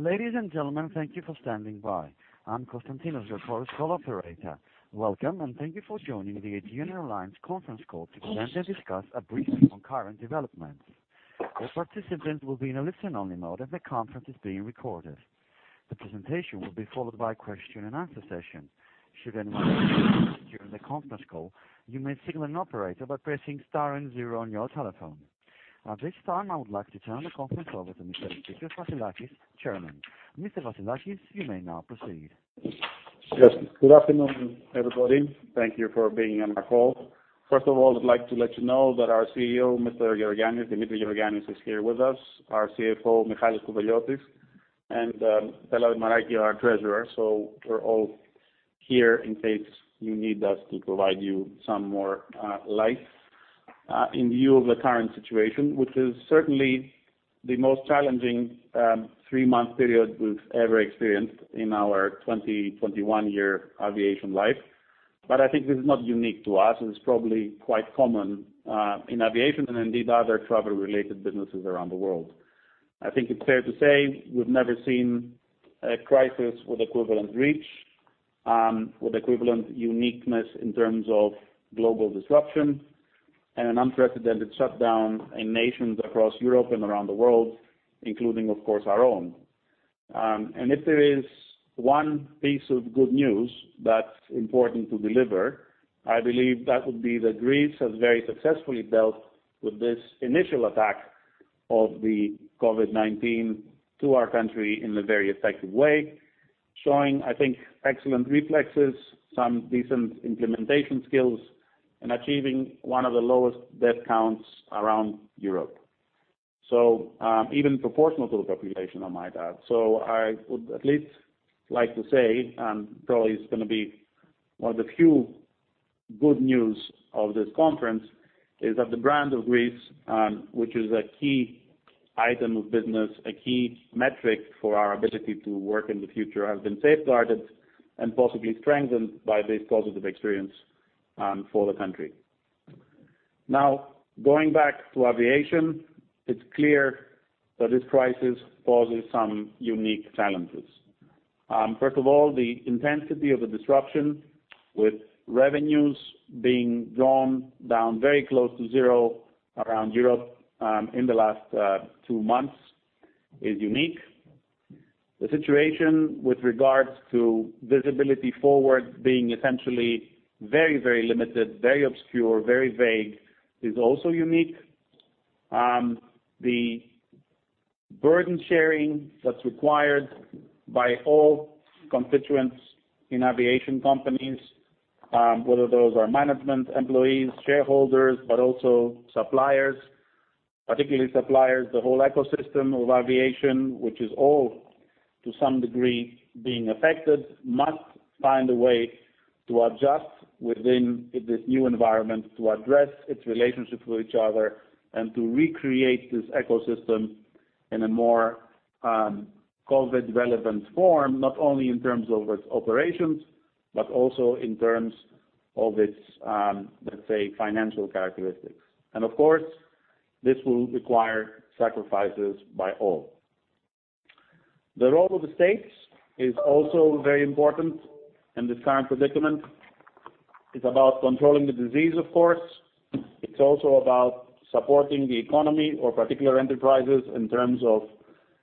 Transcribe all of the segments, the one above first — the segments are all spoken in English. Ladies and gentlemen, thank you for standing by. I'm Konstantinos, your conference call operator. Welcome, and thank you for joining the Aegean Airlines conference call to present and discuss a briefing on current developments. All participants will be in a listen-only mode, and the conference is being recorded. The presentation will be followed by a question and answer session. Should anyone during the conference call, you may signal an operator by pressing star and zero on your telephone. At this time, I would like to turn the conference over to Mr. Eftichios Vassilakis, Chairman. Mr. Vassilakis, you may now proceed. Good afternoon, everybody. Thank you for being on our call. First of all, I'd like to let you know that our CEO, Mr. Gerogiannis, Dimitrios Gerogiannis is here with us, our CFO, Michalis Kouveliotis, and Stella Dimaraki, our treasurer. We're all here in case you need us to provide you some more light in view of the current situation, which is certainly the most challenging three-month period we've ever experienced in our 20, 21-year aviation life. I think this is not unique to us. It is probably quite common in aviation and indeed other travel related businesses around the world. I think it's fair to say we've never seen a crisis with equivalent reach, with equivalent uniqueness in terms of global disruption and an unprecedented shutdown in nations across Europe and around the world, including, of course, our own. If there is one piece of good news that's important to deliver, I believe that would be that Greece has very successfully dealt with this initial attack of the COVID-19 to our country in a very effective way, showing, I think, excellent reflexes, some decent implementation skills, and achieving one of the lowest death counts around Europe. Even proportional to the population, I might add. I would at least like to say, and probably it's going to be one of the few good news of this conference, is that the brand of Greece which is a key item of business, a key metric for our ability to work in the future, has been safeguarded and possibly strengthened by this positive experience for the country. Now going back to aviation, it's clear that this crisis poses some unique challenges. The intensity of the disruption with revenues being drawn down very close to zero around Europe in the last two months is unique. The situation with regards to visibility forward being essentially very limited, very obscure, very vague, is also unique. The burden sharing that's required by all constituents in aviation companies whether those are management employees, shareholders, but also suppliers, particularly suppliers, the whole ecosystem of aviation, which is all to some degree being affected, must find a way to adjust within this new environment to address its relationships with each other and to recreate this ecosystem in a more COVID relevant form, not only in terms of its operations, but also in terms of its let's say, financial characteristics. Of course, this will require sacrifices by all. The role of the states is also very important in this current predicament. It's about controlling the disease, of course. It's also about supporting the economy or particular enterprises in terms of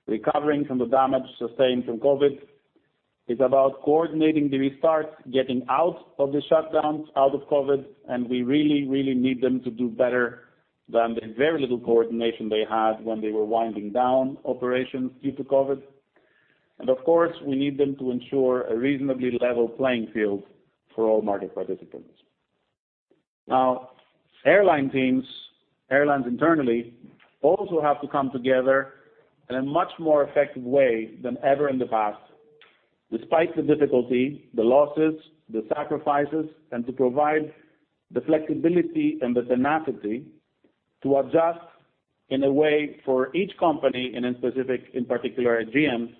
recovering from the damage sustained from COVID. It's about coordinating the restart, getting out of the shutdowns, out of COVID. We really need them to do better than the very little coordination they had when they were winding down operations due to COVID. Of course, we need them to ensure a reasonably level playing field for all market participants. Now, airline teams, airlines internally also have to come together in a much more effective way than ever in the past, despite the difficulty, the losses, the sacrifices, and to provide the flexibility and the tenacity to adjust in a way for each company and in specific, in particular at Aegean,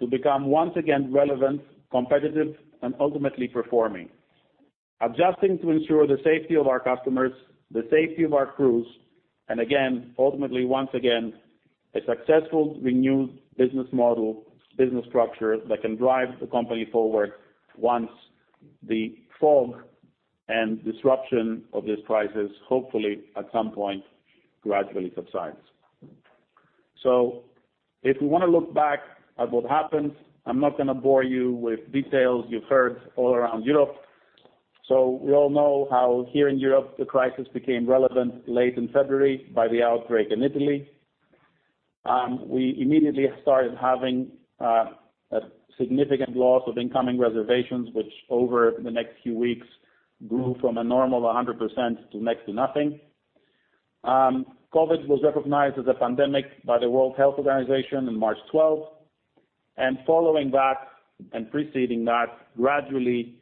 to become once again relevant, competitive and ultimately performing. Adjusting to ensure the safety of our customers, the safety of our crews, ultimately once again, a successful renewed business model, business structure that can drive the company forward once the fog and disruption of this crisis, hopefully at some point gradually subsides. If we want to look back at what happened, I'm not going to bore you with details you've heard all around Europe. We all know how here in Europe, the crisis became relevant late in February by the outbreak in Italy. We immediately started having a significant loss of incoming reservations, which over the next few weeks grew from a normal 100% to next to nothing. COVID was recognized as a pandemic by the World Health Organization on March 12th, and following that and preceding that, gradually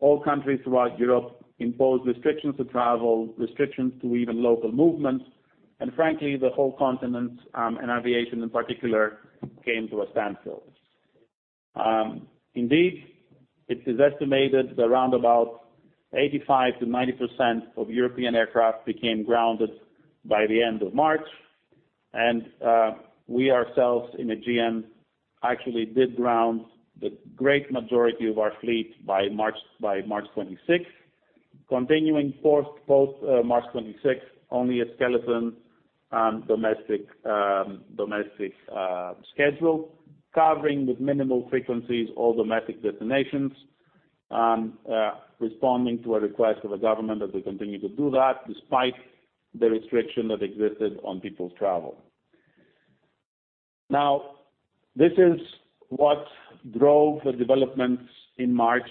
all countries throughout Europe imposed restrictions to travel, restrictions to even local movements, and frankly, the whole continent, and aviation in particular, came to a standstill. Indeed, it is estimated that around about 85%-90% of European aircraft became grounded by the end of March. We ourselves in Aegean actually did ground the great majority of our fleet by March 26th. Continuing post March 26th, only a skeleton domestic schedule, covering with minimal frequencies, all domestic destinations, responding to a request of the government that we continue to do that despite the restriction that existed on people's travel. This is what drove the developments in March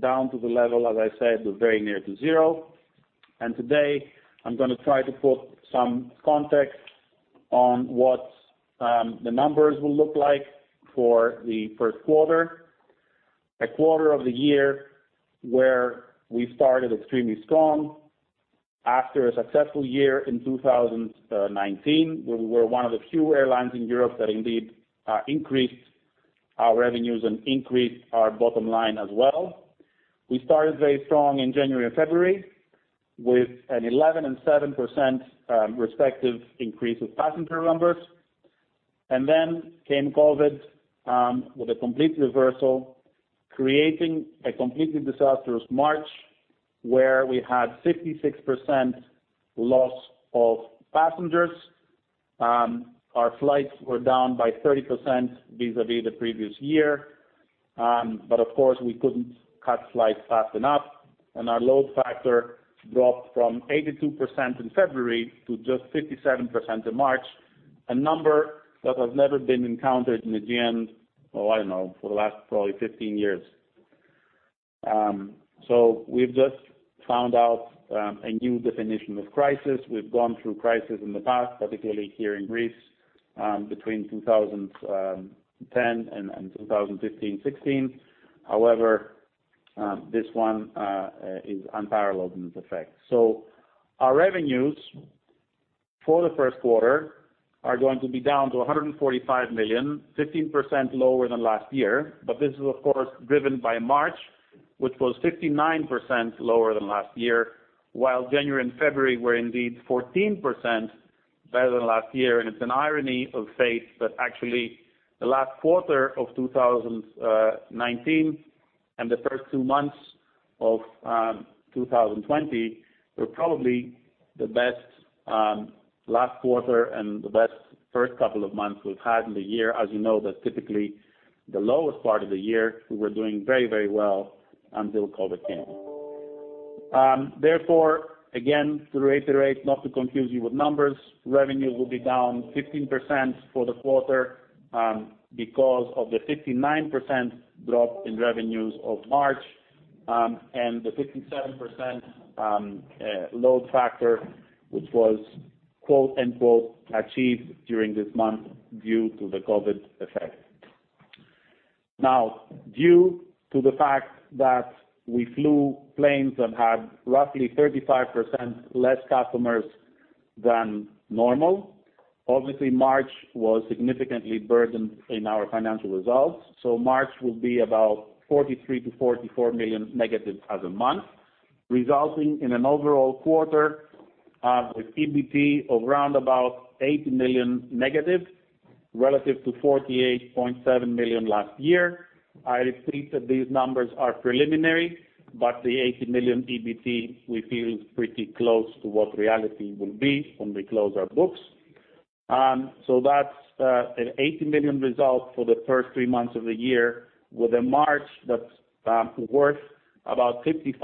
down to the level, as I said, very near to zero. Today I'm going to try to put some context on what the numbers will look like for the first quarter. A quarter of the year where we started extremely strong after a successful year in 2019, where we were one of the few airlines in Europe that indeed increased our revenues and increased our bottom line as well. We started very strong in January and February with an 11% and 7% respective increase of passenger numbers. Then came COVID with a complete reversal, creating a completely disastrous March where we had 66% loss of passengers. Our flights were down by 30% vis-à-vis the previous year. Of course, we couldn't cut flights fast enough, and our load factor dropped from 82% in February to just 57% in March, a number that has never been encountered in Aegean, oh, I don't know, for the last probably 15 years. We've just found out a new definition of crisis. We've gone through crisis in the past, particularly here in Greece, between 2010 and 2015, 2016. However, this one is unparalleled in its effect. Our revenues for the first quarter are going to be down to 145 million, 15% lower than last year. This is, of course, driven by March, which was 59% lower than last year, while January and February were indeed 14% better than last year. It's an irony of fate that actually the last quarter of 2019 and the first two months of 2020 were probably the best last quarter and the best first couple of months we've had in the year. As you know, that's typically the lowest part of the year. We were doing very well until COVID came. Therefore, again, to reiterate, not to confuse you with numbers, revenue will be down 15% for the quarter because of the 59% drop in revenues of March and the 57% load factor, which was "achieved" during this month due to the COVID effect. Due to the fact that we flew planes that had roughly 35% less customers than normal, obviously March was significantly burdened in our financial results. March will be about €43 million-€44 million negative as a month, resulting in an overall quarter of EBT of round about €80 million negative, relative to €48.7 million last year. I repeat that these numbers are preliminary, the €80 million EBT we feel is pretty close to what reality will be when we close our books. That's an €80 million result for the first three months of the year with a March that's worth about 55%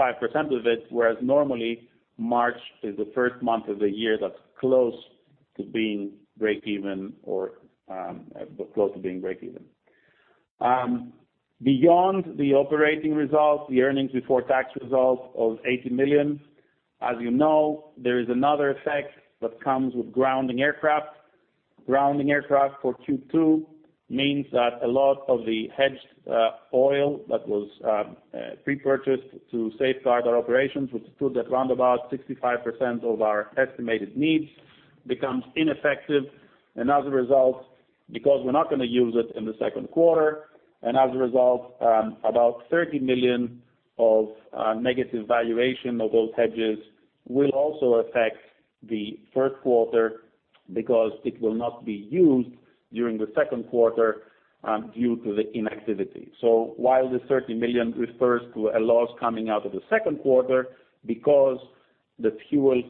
of it, whereas normally March is the first month of the year that's close to being breakeven. Beyond the operating results, the earnings before tax result of €80 million, as you know, there is another effect that comes with grounding aircraft. Grounding aircraft for Q2 means that a lot of the hedged oil that was pre-purchased to safeguard our operations, which stood at round about 65% of our estimated needs, becomes ineffective. As a result, because we're not going to use it in the second quarter, and as a result, about €30 million of negative valuation of those hedges will also affect the first quarter because it will not be used during the second quarter due to the inactivity. While the 30 million refers to a loss coming out of the second quarter, because the fuel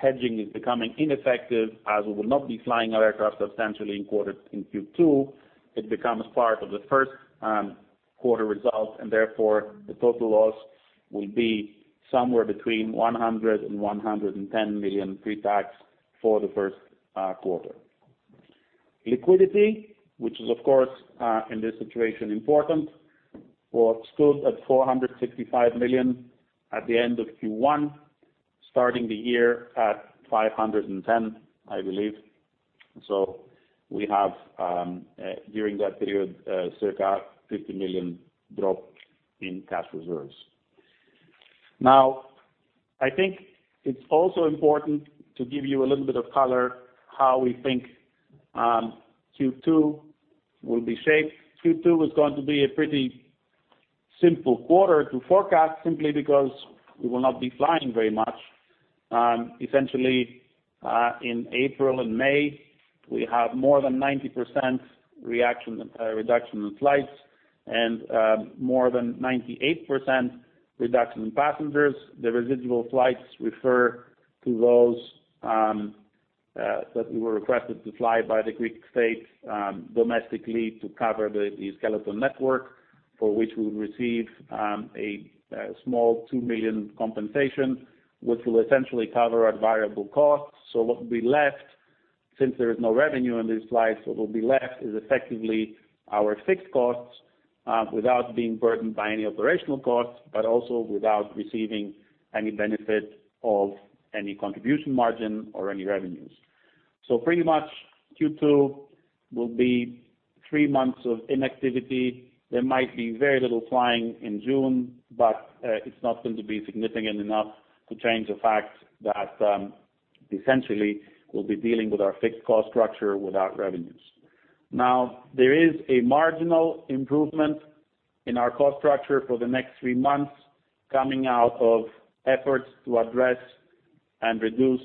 hedging is becoming ineffective as we will not be flying our aircraft substantially in Q2, it becomes part of the first quarter result, and therefore the total loss will be somewhere between 100 million-110 million pre-tax for the first quarter. Liquidity, which is of course in this situation important, was stood at 465 million at the end of Q1, starting the year at 510 million, I believe. We have during that period, circa 50 million drop in cash reserves. I think it's also important to give you a little bit of color how we think Q2 will be shaped. Q2 is going to be a pretty simple quarter to forecast simply because we will not be flying very much. Essentially, in April and May, we have more than 90% reduction in flights and more than 98% reduction in passengers. The residual flights refer to those that we were requested to fly by the Greek state domestically to cover the skeleton network, for which we will receive a small 2 million compensation, which will essentially cover our variable costs. What will be left, since there is no revenue on these flights, what will be left is effectively our fixed costs without being burdened by any operational costs, but also without receiving any benefit of any contribution margin or any revenues. Pretty much Q2 will be three months of inactivity. There might be very little flying in June, but it's not going to be significant enough to change the fact that essentially we'll be dealing with our fixed cost structure without revenues. There is a marginal improvement in our cost structure for the next three months, coming out of efforts to address and reduce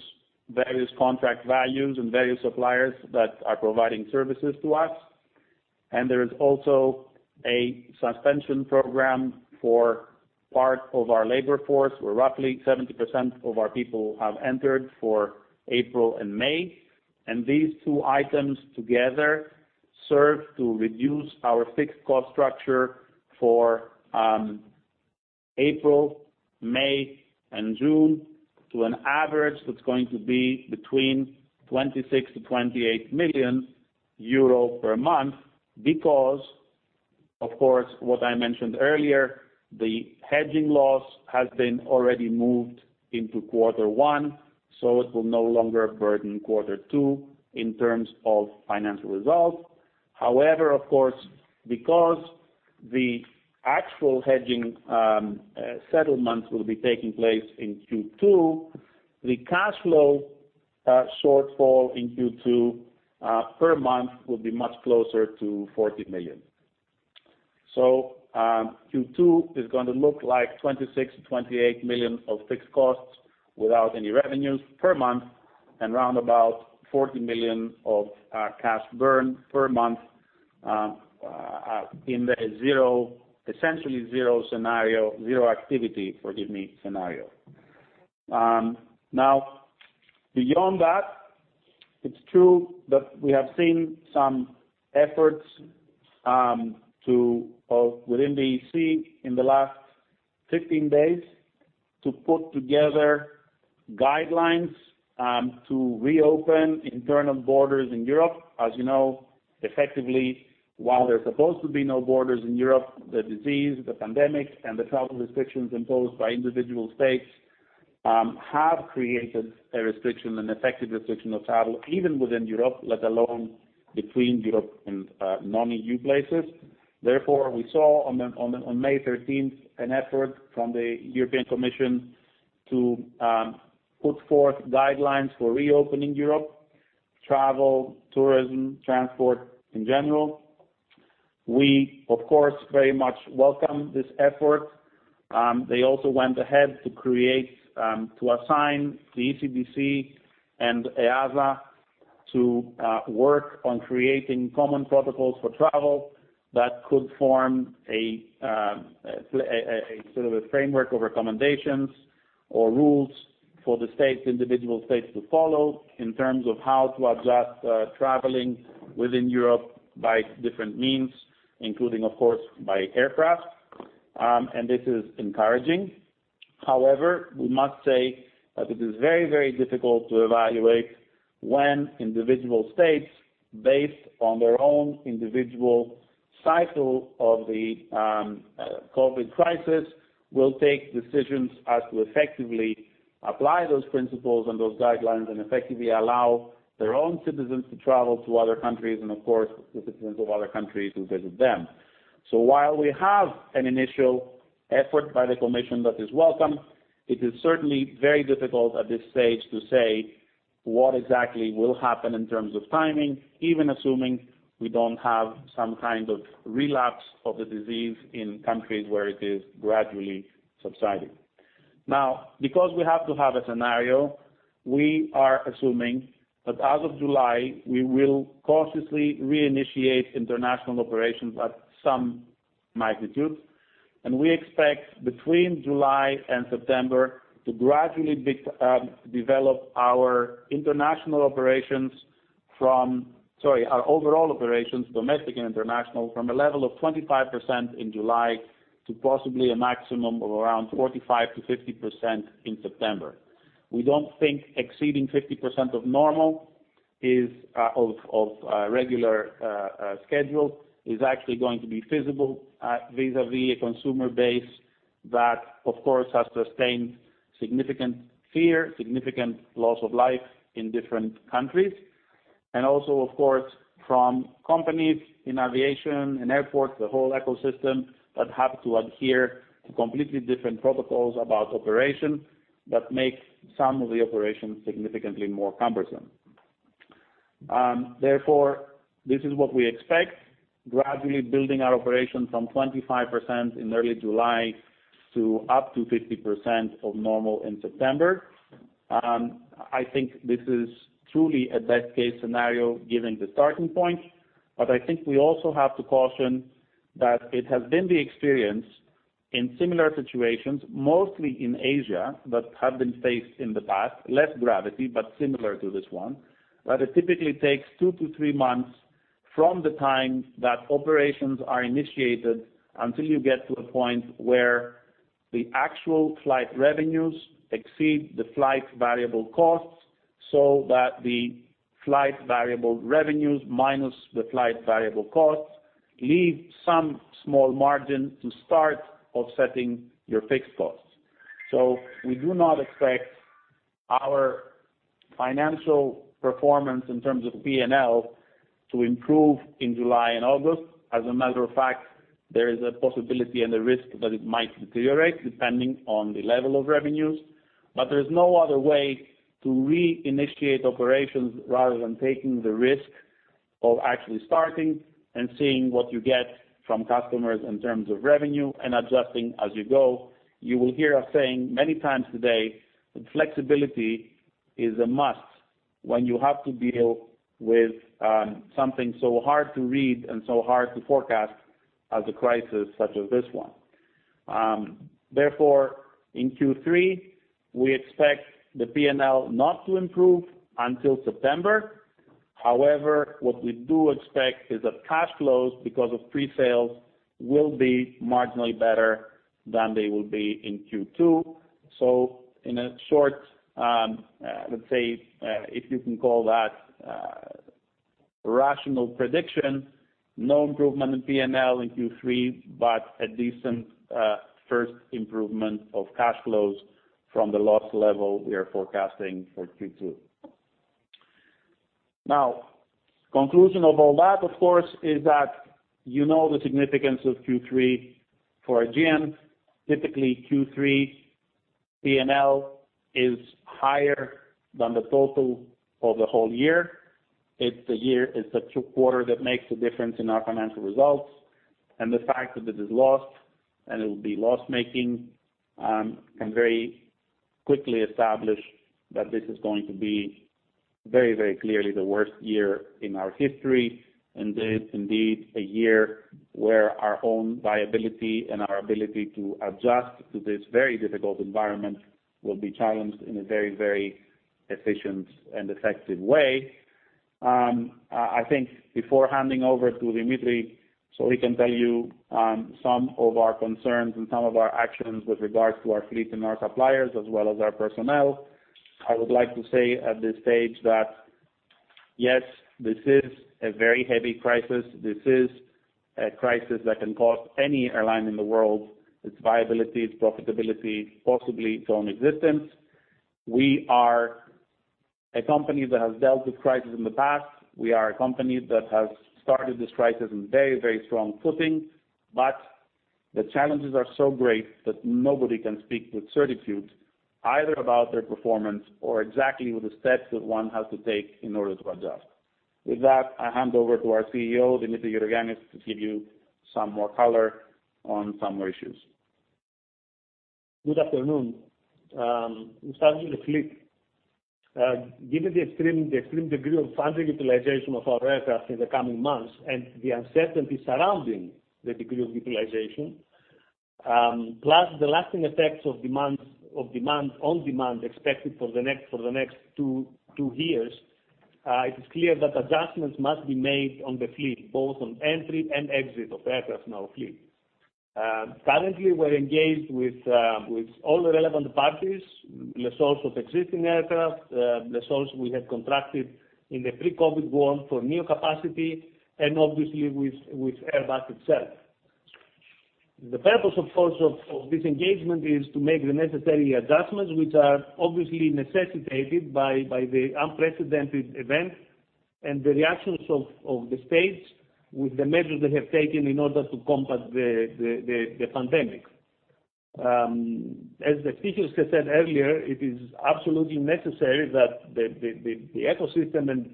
various contract values and various suppliers that are providing services to us. There is also a suspension program for part of our labor force, where roughly 70% of our people have entered for April and May. These two items together serve to reduce our fixed cost structure for April, May, and June to an average that's going to be between 26 million-28 million euro per month because, of course, what I mentioned earlier. The hedging loss has been already moved into Q1, so it will no longer burden Q2 in terms of financial results. Of course, because the actual hedging settlements will be taking place in Q2, the cash flow shortfall in Q2 per month will be much closer to 40 million. Q2 is going to look like 26 million-28 million of fixed costs without any revenues per month, and around about 40 million of cash burn per month in the essentially zero activity, forgive me, scenario. Beyond that, it's true that we have seen some efforts within the EC in the last 15 days to put together guidelines to reopen internal borders in Europe. As you know, effectively, while there's supposed to be no borders in Europe, the disease, the pandemic, and the travel restrictions imposed by individual states have created an effective restriction of travel, even within Europe, let alone between Europe and non-EU places. Therefore, we saw on May 13th an effort from the European Commission to put forth guidelines for reopening Europe, travel, tourism, transport in general. We, of course, very much welcome this effort. They also went ahead to assign the ECDC and EASA to work on creating common protocols for travel that could form a framework of recommendations or rules for the individual states to follow in terms of how to adjust traveling within Europe by different means, including, of course, by aircraft. This is encouraging. However, we must say that it is very difficult to evaluate when individual states, based on their own individual cycle of the COVID crisis, will take decisions as to effectively apply those principles and those guidelines and effectively allow their own citizens to travel to other countries, and of course, the citizens of other countries to visit them. While we have an initial effort by the Commission that is welcome, it is certainly very difficult at this stage to say what exactly will happen in terms of timing, even assuming we don't have some kind of relapse of the disease in countries where it is gradually subsiding. Because we have to have a scenario, we are assuming that as of July, we will cautiously reinitiate international operations at some magnitude. We expect between July and September to gradually develop our overall operations, domestic and international, from a level of 25% in July to possibly a maximum of around 45%-50% in September. We don't think exceeding 50% of regular schedule is actually going to be feasible vis-à-vis a consumer base that, of course, has sustained significant fear, significant loss of life in different countries. Also, of course, from companies in aviation and airports, the whole ecosystem that have to adhere to completely different protocols about operation that make some of the operations significantly more cumbersome. Therefore, this is what we expect, gradually building our operation from 25% in early July to up to 50% of normal in September. I think this is truly a best case scenario given the starting point, but I think we also have to caution that it has been the experience in similar situations, mostly in Asia, that have been faced in the past, less gravity, but similar to this one, that it typically takes 2-3 months from the time that operations are initiated until you get to a point where the actual flight revenues exceed the flight variable costs, so that the flight variable revenues minus the flight variable costs leave some small margin to start offsetting your fixed costs. We do not expect our financial performance in terms of P&L to improve in July and August. As a matter of fact, there is a possibility and a risk that it might deteriorate depending on the level of revenues, but there is no other way to re-initiate operations rather than taking the risk of actually starting and seeing what you get from customers in terms of revenue and adjusting as you go. You will hear us saying many times today that flexibility is a must when you have to deal with something so hard to read and so hard to forecast as a crisis such as this one. In Q3, we expect the P&L not to improve until September. However, what we do expect is that cash flows, because of pre-sales, will be marginally better than they will be in Q2. In short, let's say, if you can call that rational prediction, no improvement in P&L in Q3, but a decent first improvement of cash flows from the loss level we are forecasting for Q2. Conclusion of all that, of course, is that you know the significance of Q3 for Aegean. Typically, Q3 P&L is higher than the total of the whole year. It's the quarter that makes a difference in our financial results. The fact that it is lost and it will be loss-making can very quickly establish that this is going to be very, very clearly the worst year in our history, and it is indeed a year where our own viability and our ability to adjust to this very difficult environment will be challenged in a very, very efficient and effective way. I think before handing over to Dimitris so he can tell you some of our concerns and some of our actions with regards to our fleet and our suppliers as well as our personnel, I would like to say at this stage that, yes, this is a very heavy crisis. This is a crisis that can cost any airline in the world its viability, its profitability, possibly its own existence. We are a company that has dealt with crisis in the past. We are a company that has started this crisis in very, very strong footing, but the challenges are so great that nobody can speak with certitude either about their performance or exactly the steps that one has to take in order to adjust. With that, I hand over to our CEO, Dimitrios Gerogiannis, to give you some more color on some more issues. Good afternoon. We start with the fleet. Given the extreme degree of underutilization of our aircraft in the coming months and the uncertainty surrounding the degree of utilization, plus the lasting effects of demand on demand expected for the next two years, it is clear that adjustments must be made on the fleet, both on entry and exit of aircraft in our fleet. Currently, we're engaged with all the relevant parties, lessors of existing aircraft, lessors we have contracted in the pre-COVID world for new capacity, and obviously with Airbus itself. The purpose, of course, of this engagement is to make the necessary adjustments, which are obviously necessitated by the unprecedented event and the reactions of the states with the measures they have taken in order to combat the pandemic. As Eftichios has said earlier, it is absolutely necessary that the ecosystem and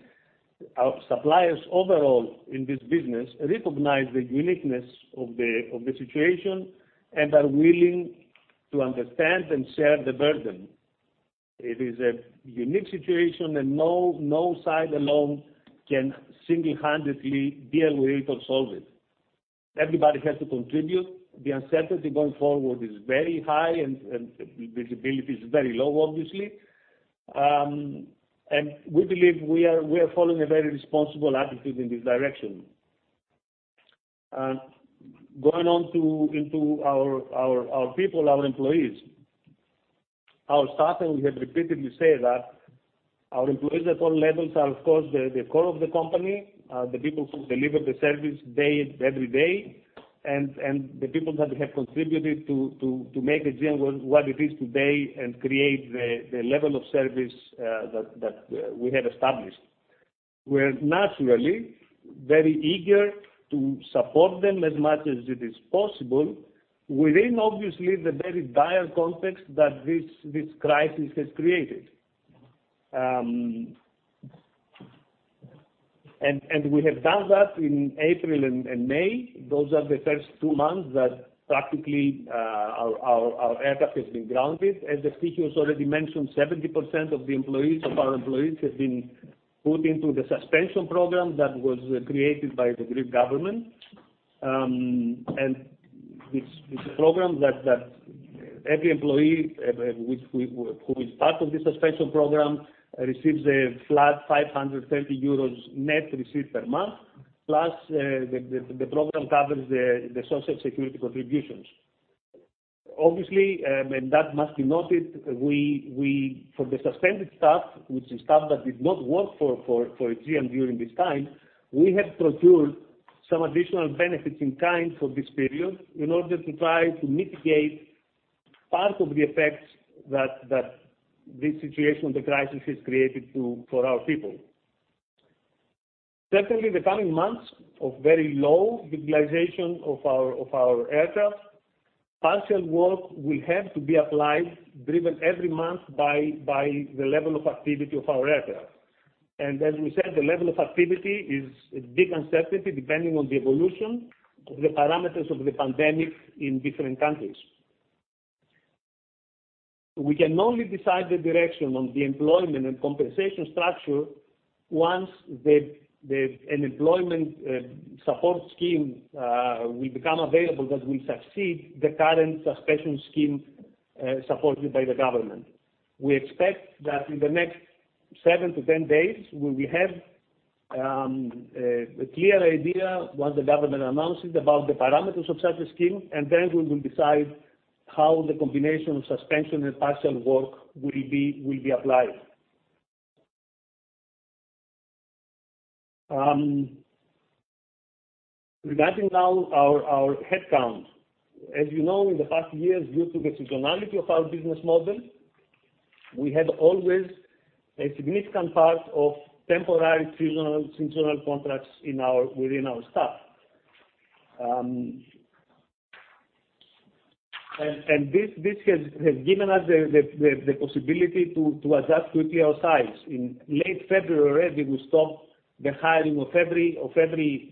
our suppliers overall in this business recognize the uniqueness of the situation and are willing to understand and share the burden. It is a unique situation, and no side alone can single-handedly deal with it or solve it. Everybody has to contribute. The uncertainty going forward is very high, and visibility is very low, obviously. We believe we are following a very responsible attitude in this direction. Going on into our people, our employees. Our staff, and we have repeatedly said that our employees at all levels are, of course, the core of the company, are the people who deliver the service every day. The people that have contributed to make Aegean what it is today and create the level of service that we have established. We are naturally very eager to support them as much as it is possible within obviously the very dire context that this crisis has created. We have done that in April and May. Those are the first two months that practically our aircraft has been grounded. As Eftichios already mentioned, 70% of our employees have been put into the suspension program that was created by the Greek government. It is a program that every employee who is part of this suspension program receives a flat 530 euros net receipt per month, plus the program covers the social security contributions. Obviously, and that must be noted, for the suspended staff, which is staff that did not work for Aegean during this time, we have procured some additional benefits in kind for this period in order to try to mitigate part of the effects that the situation, the crisis has created for our people. The coming months of very low utilization of our aircraft, partial work will have to be applied, driven every month by the level of activity of our aircraft. As we said, the level of activity is a big uncertainty depending on the evolution of the parameters of the pandemic in different countries. We can only decide the direction of the employment and compensation structure once an employment support scheme will become available that will succeed the current suspension scheme supported by the government. We expect that in the next seven to 10 days, we will have a clear idea, once the government announces about the parameters of such a scheme. Then we will decide how the combination of suspension and partial work will be applied. Regarding now our headcount. As you know, in the past years, due to the seasonality of our business model, we had always a significant part of temporary seasonal contracts within our staff. This has given us the possibility to adjust quickly our size. In late February, we stopped the hiring of temporary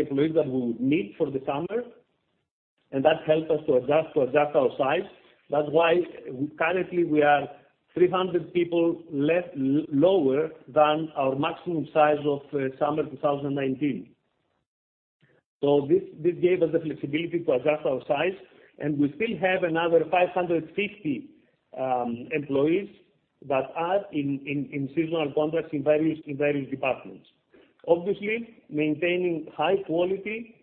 employees that we would need for the summer. That helped us to adjust our size. That's why currently we are 300 people lower than our maximum size of summer 2019. This gave us the flexibility to adjust our size, and we still have another 550 employees that are in seasonal contracts in various departments. Obviously, maintaining high quality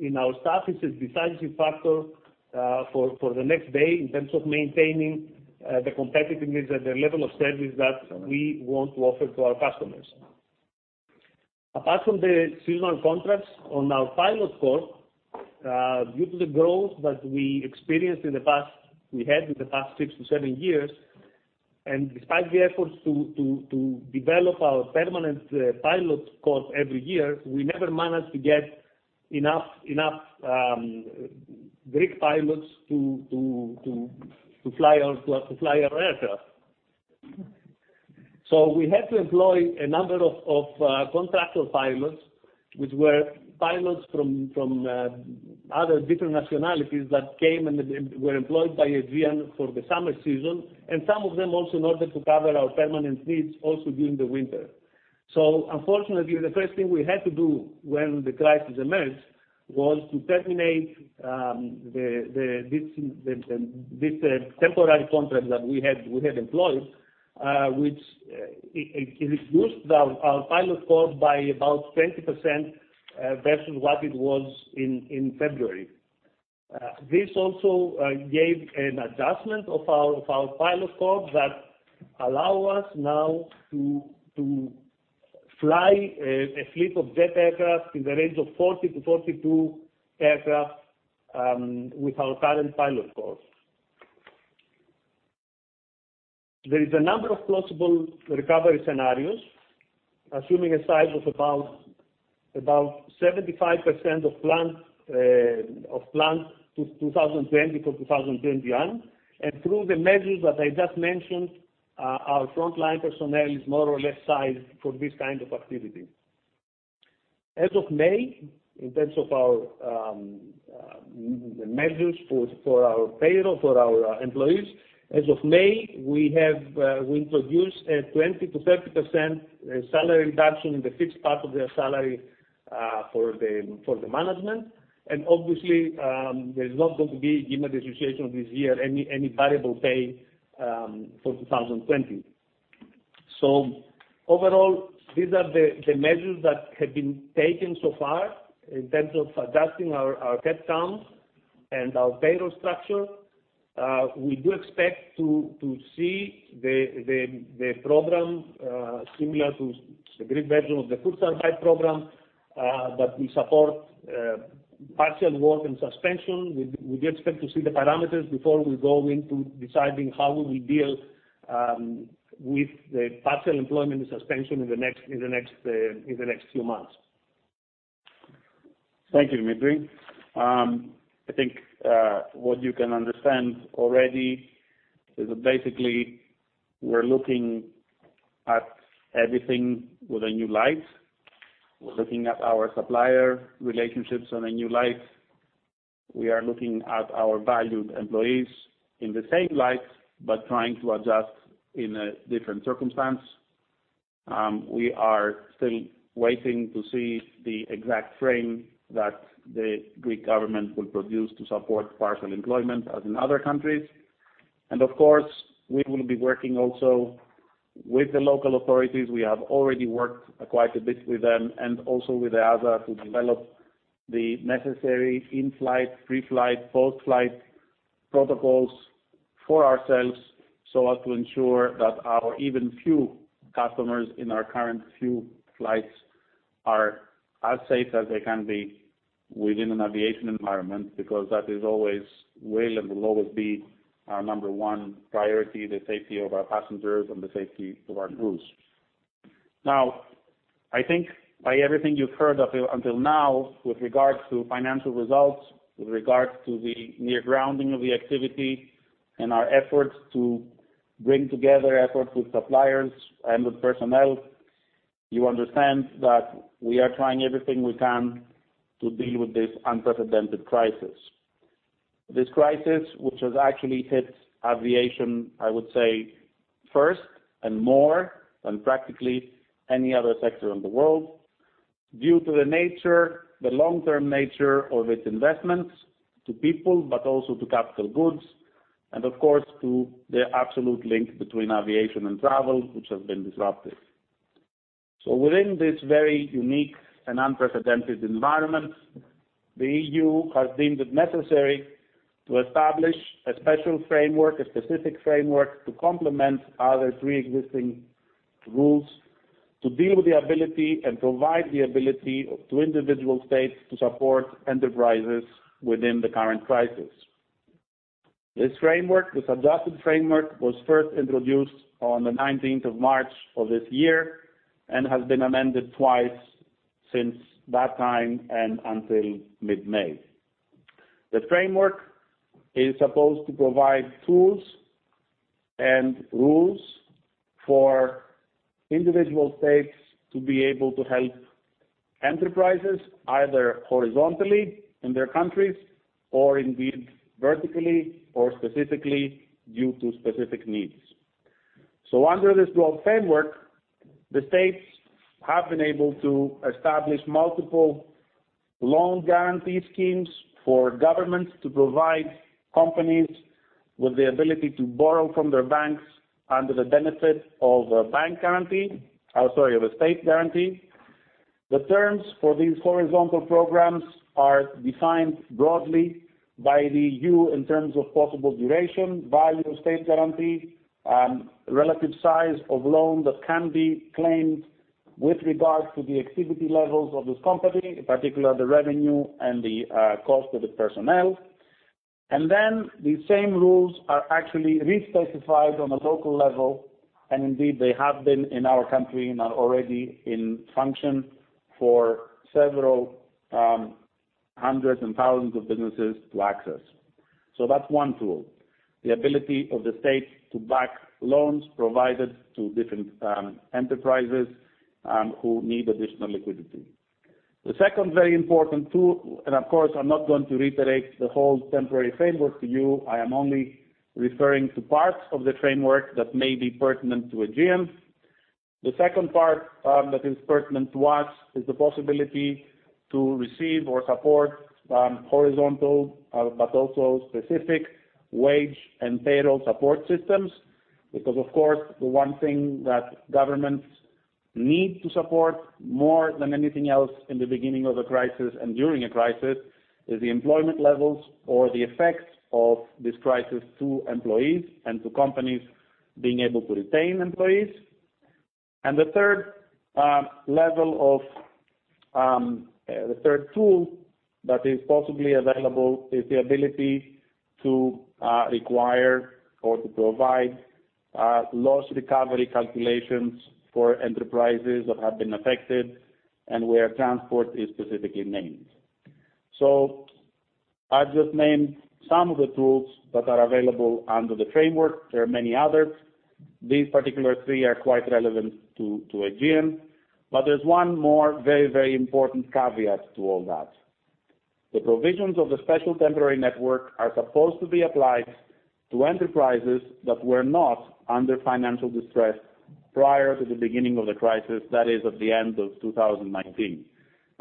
in our staff is a decisive factor for the next day in terms of maintaining the competitiveness and the level of service that we want to offer to our customers. Apart from the seasonal contracts on our pilot corps, due to the growth that we experienced in the past, we had in the past six to seven years, and despite the efforts to develop our permanent pilot corps every year, we never managed to get enough Greek pilots to fly our aircraft. We had to employ a number of contractor pilots, which were pilots from other different nationalities that came and were employed by Aegean for the summer season, and some of them also in order to cover our permanent needs also during the winter. Unfortunately, the first thing we had to do when the crisis emerged was to terminate this temporary contract that we had employed which reduced our pilot corps by about 20% versus what it was in February. This also gave an adjustment of our pilot corps that allow us now to fly a fleet of jet aircraft in the range of 40 to 42 aircraft with our current pilot corps. There is a number of plausible recovery scenarios, assuming a size of about 75% of plan to 2020 for 2021, through the measures that I just mentioned our frontline personnel is more or less sized for this kind of activity. As of May, in terms of our measures for our payroll, for our employees, as of May, we introduced a 20%-30% salary reduction in the fixed part of their salary for the management, obviously there's not going to be, given the situation this year, any variable pay for 2020. Overall, these are the measures that have been taken so far in terms of adjusting our headcount and our payroll structure. We do expect to see the program similar to the Greek version of the Kurzarbeit program, we support partial work and suspension. We do expect to see the parameters before we go into deciding how we will deal with the partial employment and suspension in the next few months. Thank you, Dimitri. I think what you can understand already is that basically we're looking at everything with a new light. We're looking at our supplier relationships in a new light. We are looking at our valued employees in the same light, but trying to adjust in a different circumstance. We are still waiting to see the exact frame that the Greek government will produce to support partial employment, as in other countries. Of course, we will be working also with the local authorities. We have already worked quite a bit with them and also with the other to develop the necessary in-flight, pre-flight, post-flight protocols for ourselves so as to ensure that our even few customers in our current few flights are as safe as they can be within an aviation environment, because that is always will and will always be our number one priority, the safety of our passengers and the safety of our crews. I think by everything you've heard until now with regards to financial results, with regards to the near grounding of the activity and our efforts to bring together efforts with suppliers and with personnel, you understand that we are trying everything we can to deal with this unprecedented crisis. This crisis, which has actually hit aviation, I would say, first and more than practically any other sector in the world, due to the long-term nature of its investments to people, but also to capital goods, and of course, to the absolute link between aviation and travel, which has been disrupted. Within this very unique and unprecedented environment, the EU has deemed it necessary to establish a special framework, a specific framework to complement other preexisting rules to deal with the ability and provide the ability to individual states to support enterprises within the current crisis. This adjusted framework was first introduced on the 19th of March of this year and has been amended twice since that time and until mid-May. The framework is supposed to provide tools and rules for individual states to be able to help enterprises either horizontally in their countries or indeed vertically or specifically due to specific needs. Under this broad framework, the states have been able to establish multiple loan guarantee schemes for governments to provide companies with the ability to borrow from their banks under the benefit of a state guarantee. The terms for these horizontal programs are defined broadly by the EU in terms of possible duration, value of state guarantee, and relative size of loan that can be claimed with regard to the activity levels of this company, in particular, the revenue and the cost of the personnel. Then the same rules are actually re-specified on a local level, and indeed, they have been in our country and are already in function for several hundreds and thousands of businesses to access. That's one tool, the ability of the state to back loans provided to different enterprises who need additional liquidity. The second very important tool, and of course, I'm not going to reiterate the whole temporary framework to you. I am only referring to parts of the framework that may be pertinent to Aegean. The second part that is pertinent to us is the possibility to receive or support horizontal but also specific wage and payroll support systems. Of course, the one thing that governments need to support more than anything else in the beginning of a crisis and during a crisis is the employment levels or the effects of this crisis to employees and to companies being able to retain employees. The third tool that is possibly available is the ability to require or to provide loss recovery calculations for enterprises that have been affected and where transport is specifically named. I've just named some of the tools that are available under the framework. There are many others. These particular three are quite relevant to Aegean, there's one more very important caveat to all that. The provisions of the special temporary network are supposed to be applied to enterprises that were not under financial distress prior to the beginning of the crisis, that is, at the end of 2019.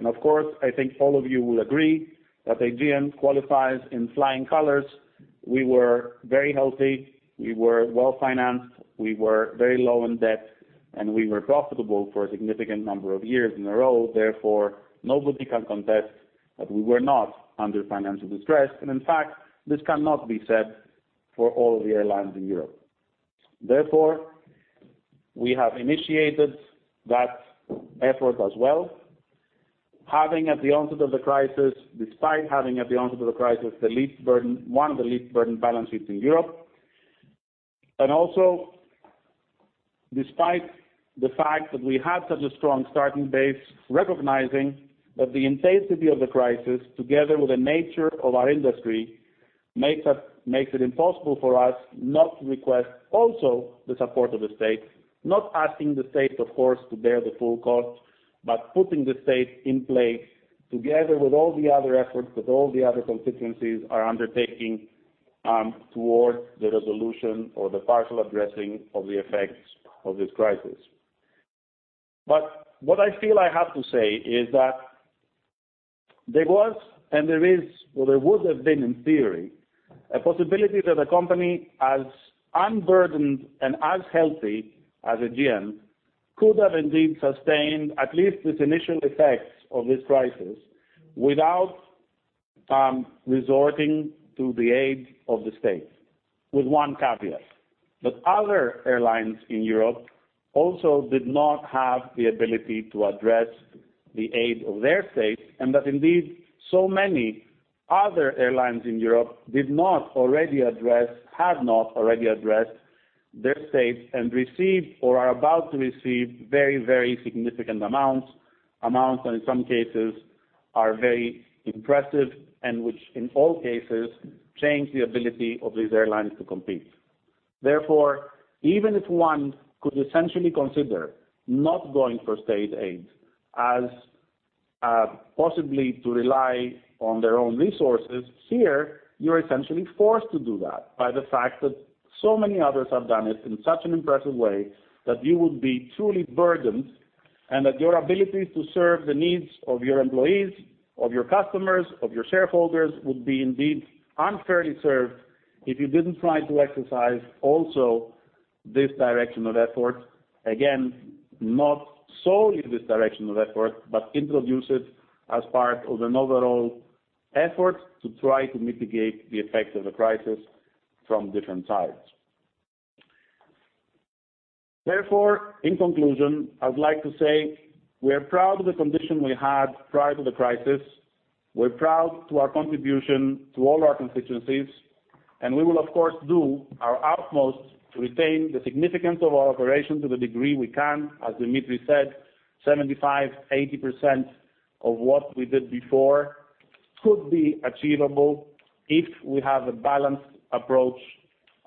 Of course, I think all of you will agree that Aegean qualifies in flying colors. We were very healthy. We were well-financed. We were very low in debt. We were profitable for a significant number of years in a row, therefore, nobody can contest that we were not under financial distress. In fact, this cannot be said for all the airlines in Europe. Therefore, we have initiated that effort as well. Despite having, at the onset of the crisis, one of the least burdened balance sheets in Europe, and also despite the fact that we had such a strong starting base, recognizing that the intensity of the crisis together with the nature of our industry, makes it impossible for us not to request also the support of the state. Not asking the state, of course, to bear the full cost, but putting the state in place together with all the other efforts that all the other constituencies are undertaking towards the resolution or the partial addressing of the effects of this crisis. What I feel I have to say is that there was and there is, or there would have been in theory, a possibility that a company as unburdened and as healthy as Aegean could have indeed sustained at least its initial effects of this crisis without resorting to the aid of the state. With one caveat, that other airlines in Europe also did not have the ability to address the aid of their states, and that indeed, so many other airlines in Europe did not already address, have not already addressed their states and received or are about to receive very significant amounts. Amounts that in some cases are very impressive and which in all cases change the ability of these airlines to compete. Therefore, even if one could essentially consider not going for state aid as possibly to rely on their own resources, here you're essentially forced to do that by the fact that so many others have done it in such an impressive way that you would be truly burdened and that your ability to serve the needs of your employees, of your customers, of your shareholders, would be indeed unfairly served if you didn't try to exercise also this direction of effort. Again, not solely this direction of effort, but introduce it as part of an overall effort to try to mitigate the effects of the crisis from different sides. Therefore, in conclusion, I would like to say we're proud of the condition we had prior to the crisis. We're proud to our contribution to all our constituencies, and we will of course, do our utmost to retain the significance of our operation to the degree we can. As Dimitri said, 75%-80% of what we did before could be achievable if we have a balanced approach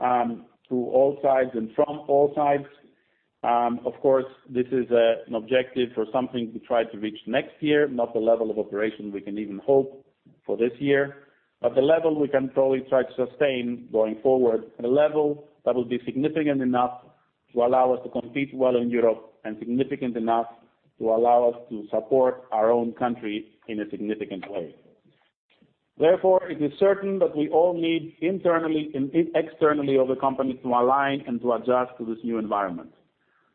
to all sides and from all sides. Of course, this is an objective or something to try to reach next year, not the level of operation we can even hope for this year. The level we can probably try to sustain going forward and a level that will be significant enough to allow us to compete well in Europe and significant enough to allow us to support our own country in a significant way. Therefore, it is certain that we all need internally and externally of the company to align and to adjust to this new environment.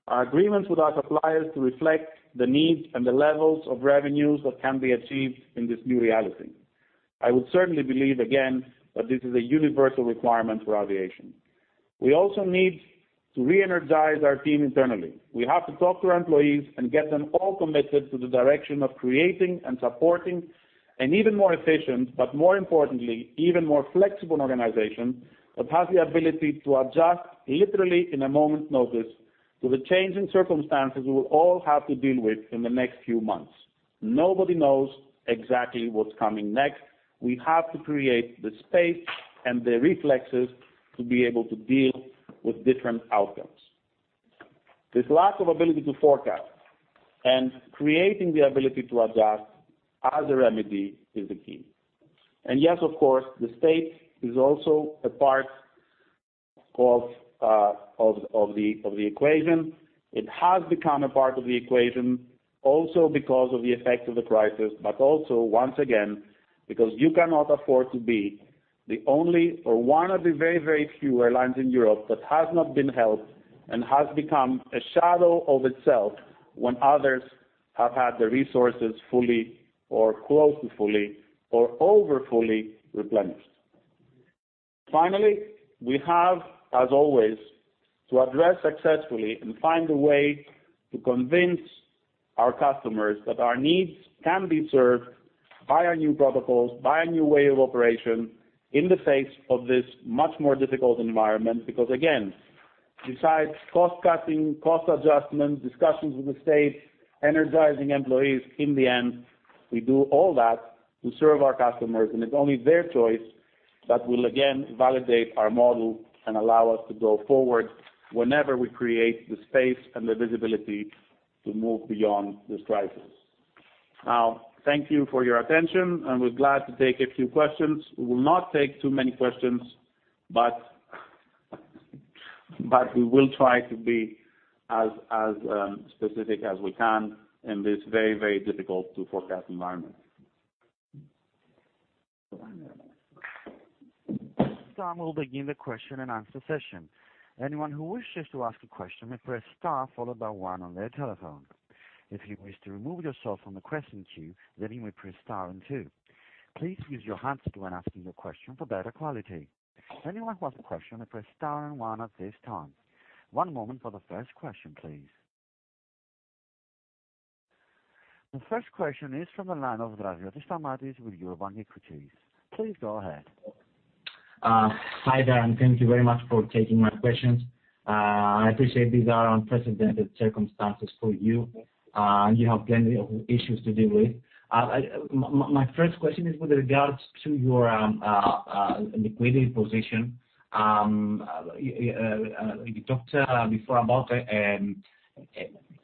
Our agreements with our suppliers to reflect the needs and the levels of revenues that can be achieved in this new reality. I would certainly believe again, that this is a universal requirement for aviation. We also need to reenergize our team internally. We have to talk to our employees and get them all committed to the direction of creating and supporting an even more efficient, but more importantly, even more flexible organization that has the ability to adjust literally in a moment's notice to the changing circumstances we will all have to deal with in the next few months. Nobody knows exactly what's coming next. We have to create the space and the reflexes to be able to deal with different outcomes. This lack of ability to forecast and creating the ability to adjust as a remedy is the key. Yes, of course, the state is also a part of the equation. It has become a part of the equation also because of the effect of the crisis. Also once again, because you cannot afford to be the only or one of the very, very few airlines in Europe that has not been helped and has become a shadow of itself when others have had the resources fully or close to fully or over fully replenished. Finally, we have, as always, to address successfully and find a way to convince our customers that our needs can be served by our new protocols, by a new way of operation in the face of this much more difficult environment. Again, besides cost-cutting, cost adjustments, discussions with the state, energizing employees, in the end, we do all that to serve our customers, and it's only their choice that will again validate our model and allow us to go forward whenever we create the space and the visibility to move beyond this crisis. Thank you for your attention, and we're glad to take a few questions. We will not take too many questions, but we will try to be as specific as we can in this very, very difficult to forecast environment. At this time, we'll begin the question and answer session. Anyone who wishes to ask a question may press star followed by one on their telephone. If you wish to remove yourself from the question queue, then you may press star and two. Please use your headset when asking your question for better quality. Anyone who has a question may press star and one at this time. One moment for the first question, please. The first question is from the line of Stamatis Draziotis with Eurobank Equities. Please go ahead. Hi there, thank you very much for taking my questions. I appreciate these are unprecedented circumstances for you, and you have plenty of issues to deal with. My first question is with regards to your liquidity position. You talked before about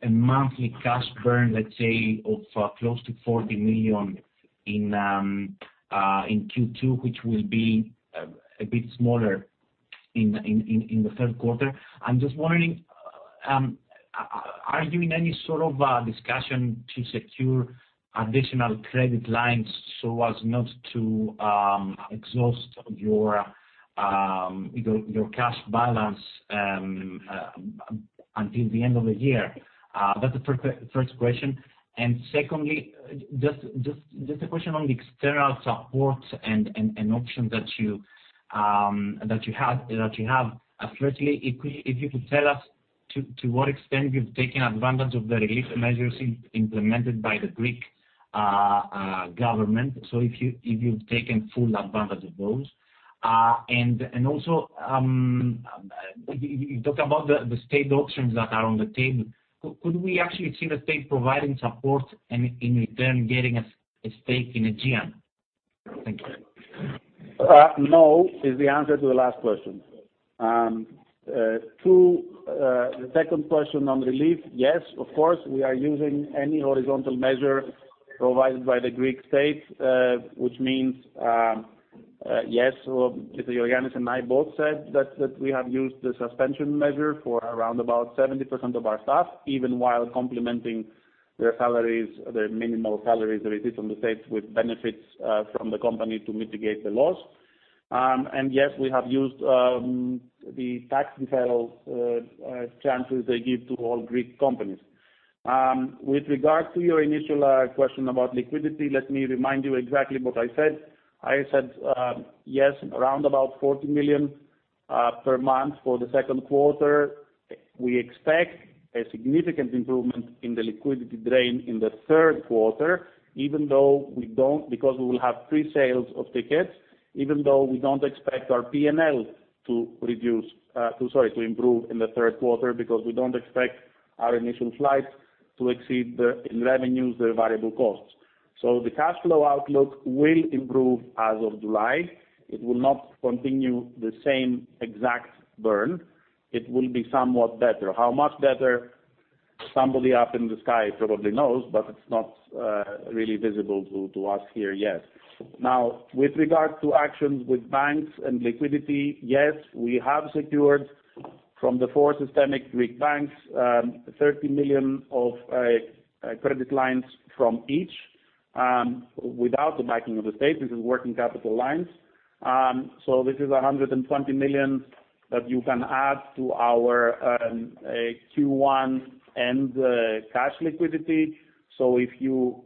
a monthly cash burn, let's say, of close to 40 million in Q2, which will be a bit smaller in the third quarter. I'm just wondering, are you in any sort of discussion to secure additional credit lines so as not to exhaust your cash balance until the end of the year? That's the first question. Secondly, just a question on the external support and options that you have. Firstly, if you could tell us to what extent you've taken advantage of the relief measures implemented by the Greek government. If you've taken full advantage of those. Also, you talked about the state options that are on the table. Could we actually see the state providing support and in return getting a stake in Aegean? Thank you. No is the answer to the last question. Two, the second question on relief, yes, of course, we are using any horizontal measure provided by the Greek state, which means yes, both Ioannis and I both said that we have used the suspension measure for around about 70% of our staff, even while complementing their minimal salaries received from the state with benefits from the company to mitigate the loss. Yes, we have used the tax and deferral options they give to all Greek companies. With regard to your initial question about liquidity, let me remind you exactly what I said. I said yes, around about 40 million per month for the second quarter. We expect a significant improvement in the liquidity drain in the third quarter, because we will have pre-sales of tickets, even though we don't expect our P&L to improve in the third quarter because we don't expect our initial flights to exceed the revenues, the variable costs. The cash flow outlook will improve as of July. It will not continue the same exact burn. It will be somewhat better. How much better? Somebody up in the sky probably knows, but it's not really visible to us here yet. With regard to actions with banks and liquidity, yes, we have secured from the four systemic Greek banks, 30 million of credit lines from each without the backing of the state. This is working capital lines. This is 120 million that you can add to our Q1 and cash liquidity. If you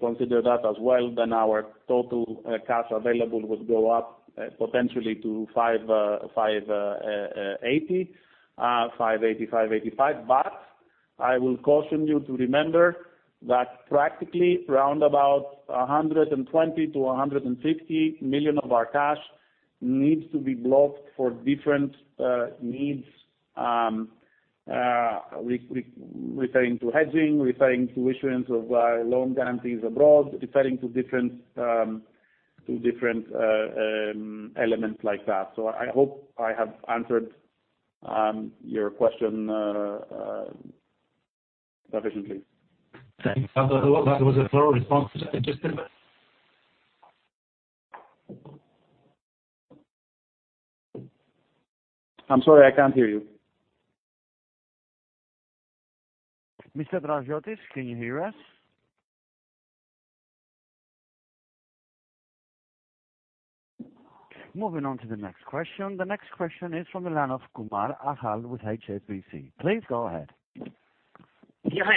consider that as well, then our total cash available would go up potentially to 580-585. I will caution you to remember that practically roundabout 120 million to 150 million of our cash needs to be blocked for different needs referring to hedging, referring to issuance of loan guarantees abroad, referring to different elements like that. I hope I have answered your question sufficiently. Thank you. That was a thorough response. I'm sorry, I can't hear you. Mr. Draziotis, can you hear us? Moving on to the next question. The next question is from the line of Achal Kumar with HSBC. Please go ahead. Yeah. Hi.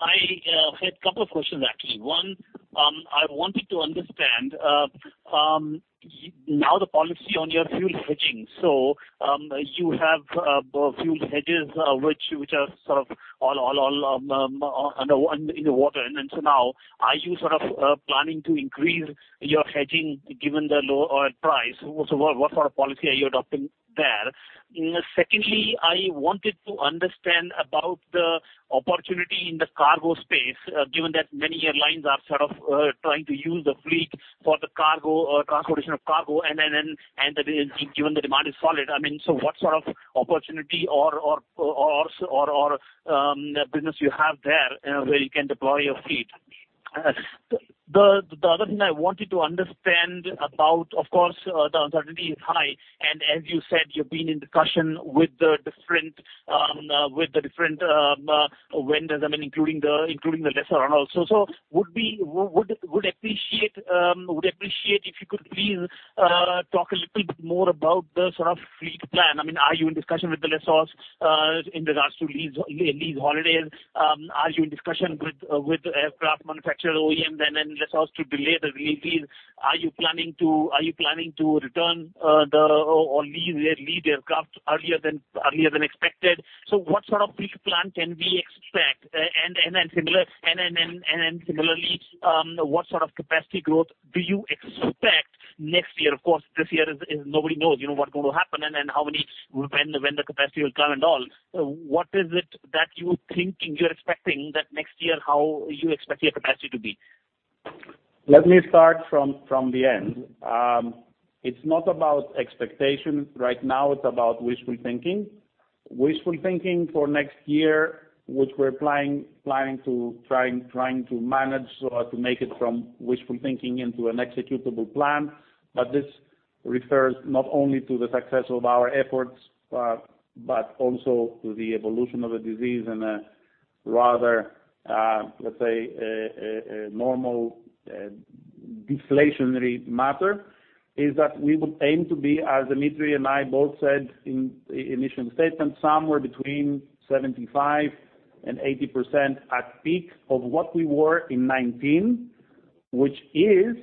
I had couple of questions, actually. I wanted to understand now the policy on your fuel hedging. You have fuel hedges which are sort of all underwater. Are you sort of planning to increase your hedging given the low oil price? What sort of policy are you adopting there? I wanted to understand about the opportunity in the cargo space, given that many airlines are sort of trying to use the fleet for the cargo or transportation of cargo and that is given the demand is solid. What sort of opportunity or business you have there where you can deploy your fleet? The other thing I wanted to understand about, of course, the uncertainty is high, and as you said, you've been in discussion with the different vendors, including the lessor and also. Would appreciate if you could please talk a little bit more about the sort of fleet plan. Are you in discussion with the lessors in regards to lease holidays? Are you in discussion with aircraft manufacturer OEM and then lessors to delay the [deliveries]? Are you planning to return or lease their aircraft earlier than expected? What sort of fleet plan can we expect? Similarly, what sort of capacity growth do you expect next year? Of course, this year, nobody knows what is going to happen and how many, when the capacity will come and all. What is it that you're thinking you're expecting that next year, how you expect your capacity to be? Let me start from the end. It's not about expectations right now, it's about wishful thinking. Wishful thinking for next year, which we're planning to manage so as to make it from wishful thinking into an executable plan. This refers not only to the success of our efforts, but also to the evolution of the disease in a rather, let's say, a normal deflationary matter, is that we would aim to be, as Dimitris and I both said in initial statement, somewhere between 75%-80% at peak of what we were in 2019, which is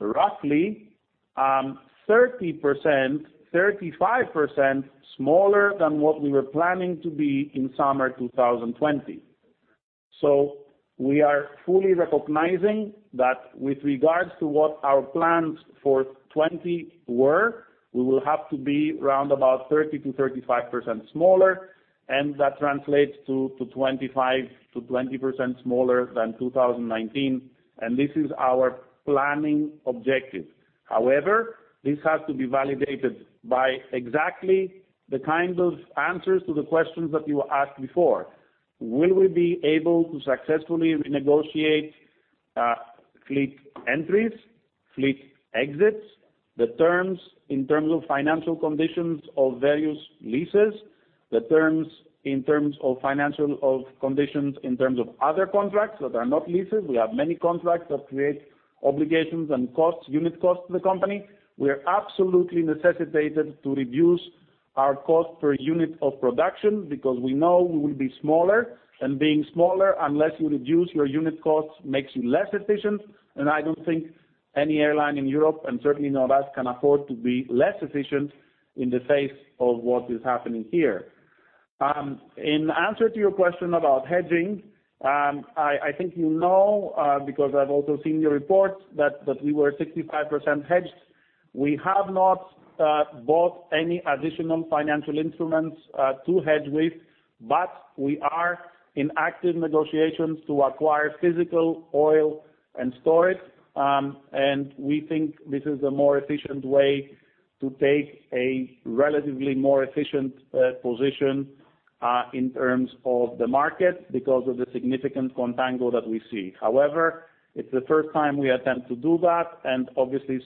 roughly 30%-35% smaller than what we were planning to be in summer 2020. We are fully recognizing that with regards to what our plans for 2020 were, we will have to be around about 30%-35% smaller. That translates to 25%-20% smaller than 2019. This is our planning objective. However, this has to be validated by exactly the kind of answers to the questions that you asked before. Will we be able to successfully renegotiate fleet entries, fleet exits, the terms in terms of financial conditions of various leases, the terms in terms of financial of conditions in terms of other contracts that are not leases? We have many contracts that create obligations and costs, unit costs to the company. We are absolutely necessitated to reduce our cost per unit of production because we know we will be smaller, and being smaller, unless you reduce your unit costs, makes you less efficient, and I don't think any airline in Europe, and certainly not us, can afford to be less efficient in the face of what is happening here. In answer to your question about hedging, I think you know, because I've also seen your reports, that we were 65% hedged. We have not bought any additional financial instruments to hedge with, but we are in active negotiations to acquire physical oil and store it. We think this is a more efficient way to take a relatively more efficient position in terms of the market because of the significant contango that we see. It's the first time we attempt to do that, and obviously,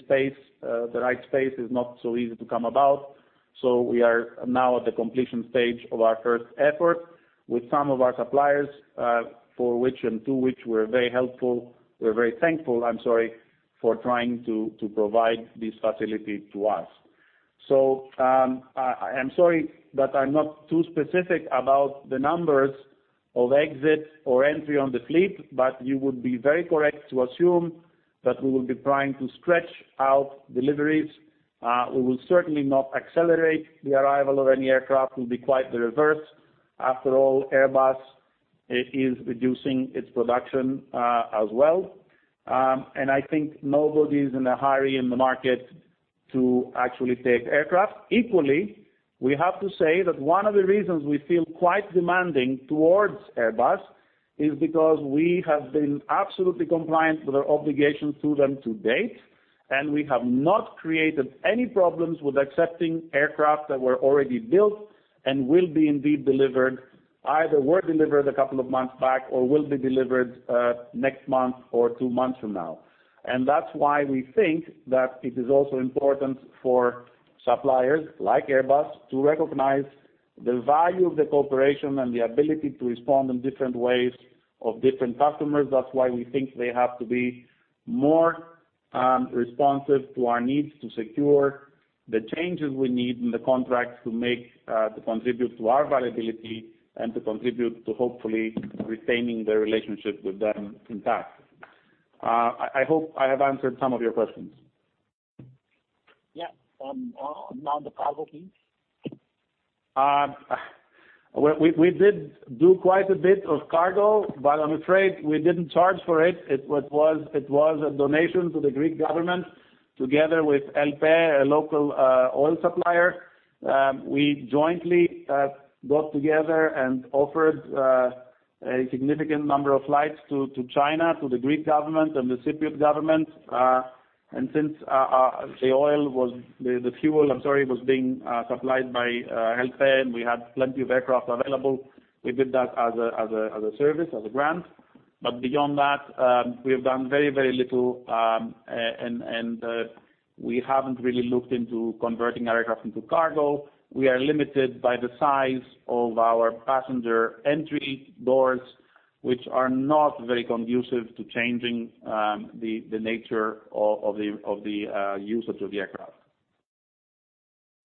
the right space is not so easy to come about. We are now at the completion stage of our first effort with some of our suppliers, for which and to which we're very thankful for trying to provide this facility to us. I'm sorry that I'm not too specific about the numbers of exits or entry on the fleet, you would be very correct to assume that we will be trying to stretch out deliveries. We will certainly not accelerate the arrival of any aircraft. It will be quite the reverse. After all, Airbus is reducing its production as well. I think nobody is in a hurry in the market to actually take aircraft. Equally, we have to say that one of the reasons we feel quite demanding towards Airbus is because we have been absolutely compliant with our obligations to them to date, and we have not created any problems with accepting aircraft that were already built and will be indeed delivered, either were delivered a couple of months back or will be delivered next month or two months from now. That's why we think that it is also important for suppliers, like Airbus, to recognize the value of the cooperation and the ability to respond in different ways of different customers. That's why we think they have to be more responsive to our needs to secure the changes we need in the contracts to contribute to our viability and to contribute to hopefully retaining the relationship with them intact. I hope I have answered some of your questions. Yeah. Now the cargo piece. We did do quite a bit of cargo, but I'm afraid we didn't charge for it. It was a donation to the Greek government together with ELPE, a local oil supplier. We jointly got together and offered a significant number of flights to China, to the Greek government, and the Cypriot government. Since the fuel was being supplied by Hellenic, we had plenty of aircraft available. We did that as a service, as a grant. Beyond that, we have done very little, and we haven't really looked into converting aircraft into cargo. We are limited by the size of our passenger entry doors, which are not very conducive to changing the nature of the use of the aircraft.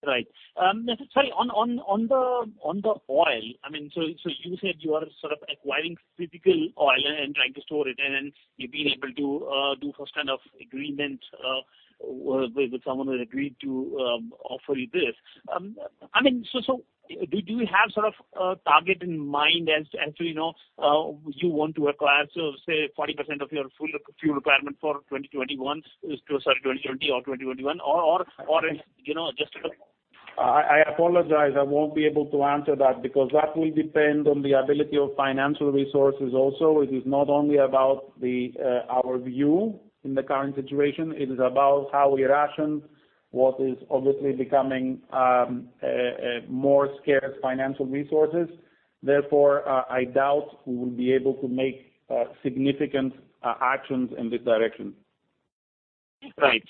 Right. Sorry, on the oil, you said you are sort of acquiring physical oil and trying to store it, and you've been able to do some kind of agreement with someone who has agreed to offer you this. Do you have sort of a target in mind as to you want to acquire, so say, 40% of your fuel requirement for 2020 or 2021, or is just? I apologize, I won't be able to answer that because that will depend on the ability of financial resources also. It is not only about our view in the current situation, it is about how we ration what is obviously becoming more scarce financial resources. I doubt we will be able to make significant actions in this direction. Right.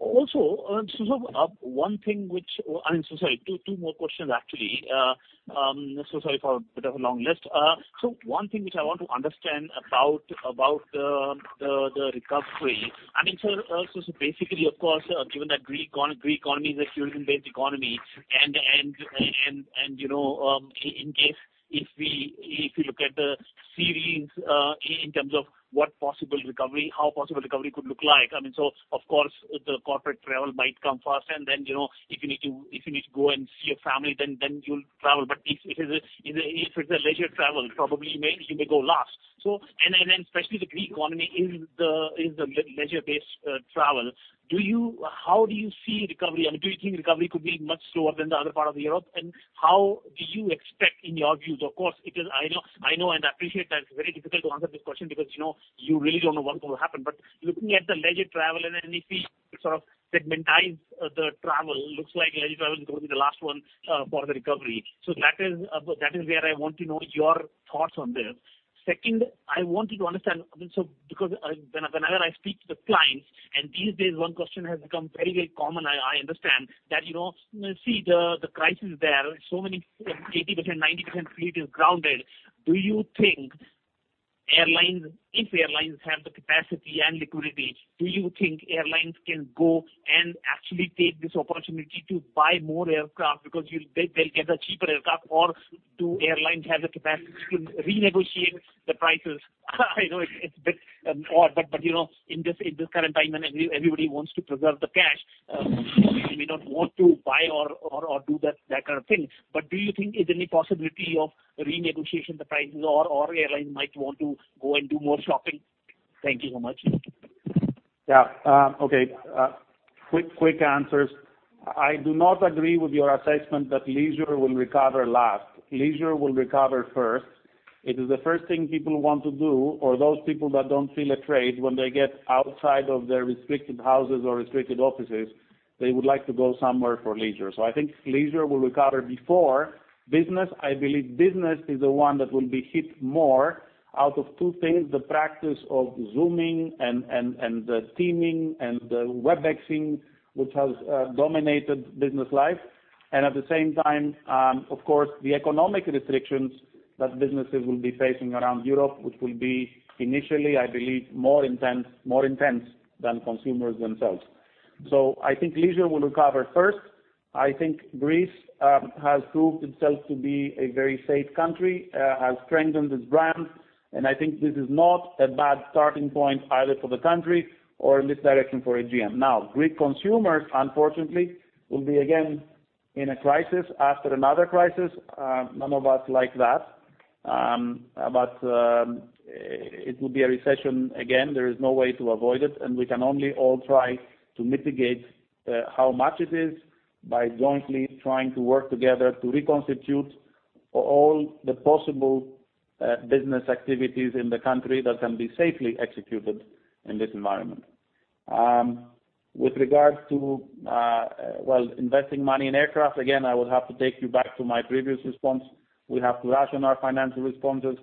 Also, Sorry, two more questions, actually. Sorry for a bit of a long list. One thing which I want to understand about the recovery. Basically, of course, given that Greek economy is a tourism-based economy, and in case if we look at the series in terms of what possible recovery, how possible recovery could look like, of course, the corporate travel might come first, and then if you need to go and see your family, then you'll travel. If it's a leisure travel, probably you may go last. Especially the Greek economy is the leisure-based travel. How do you see recovery, and do you think recovery could be much slower than the other part of Europe? How do you expect in your views? Of course, I know and I appreciate that it is very difficult to answer this question because you really do not know what will happen, but looking at the leisure travel, and if we sort of segment the travel, looks like leisure travel is going to be the last one for the recovery. That is where I want to know your thoughts on this. Second, I want you to understand. Because whenever I speak to the clients, these days one question has become very common. I understand that see the crisis there, so many, 80%, 90% fleet is grounded. Do you think if airlines have the capacity and liquidity, do you think airlines can go and actually take this opportunity to buy more aircraft because they will get a cheaper aircraft? Do airlines have the capacity to renegotiate the prices? I know it's a bit odd, but in this current time, and everybody wants to preserve the cash, they may not want to buy or do that kind of thing. Do you think is any possibility of renegotiating the prices or airlines might want to go and do more shopping? Thank you so much. Yeah. Okay. Quick answers. I do not agree with your assessment that leisure will recover last. Leisure will recover first. It is the first thing people want to do, or those people that don't feel afraid when they get outside of their restricted houses or restricted offices, they would like to go somewhere for leisure. I think leisure will recover before business. I believe business is the one that will be hit more out of two things, the practice of Zooming and the Teams and the Webexing, which has dominated business life. At the same time, of course, the economic restrictions that businesses will be facing around Europe, which will be initially, I believe, more intense than consumers themselves. I think leisure will recover first. I think Greece has proved itself to be a very safe country, has strengthened its brand, and I think this is not a bad starting point either for the country or in this direction for Aegean. Greek consumers, unfortunately, will be again in a crisis after another crisis. None of us like that. It will be a recession again, there is no way to avoid it, and we can only all try to mitigate how much it is by jointly trying to work together to reconstitute all the possible business activities in the country that can be safely executed in this environment. With regards to, well, investing money in aircraft, again, I would have to take you back to my previous response. We have to ration our financial responses,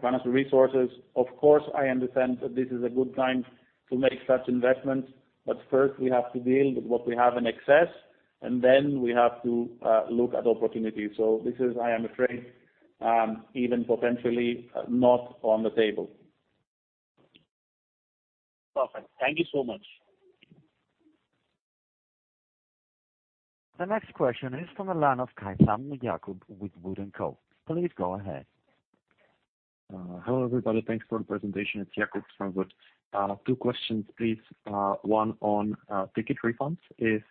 financial resources. Of course, I understand that this is a good time to make such investments, but first we have to deal with what we have in excess, and then we have to look at opportunities. This is, I am afraid, even potentially not on the table. Perfect. Thank you so much. The next question is from the line of Jakub Caithaml with Wood & Co. Please go ahead. Hello, everybody. Thanks for the presentation. It's Jakub from Wood. Two questions, please. One on ticket refunds. If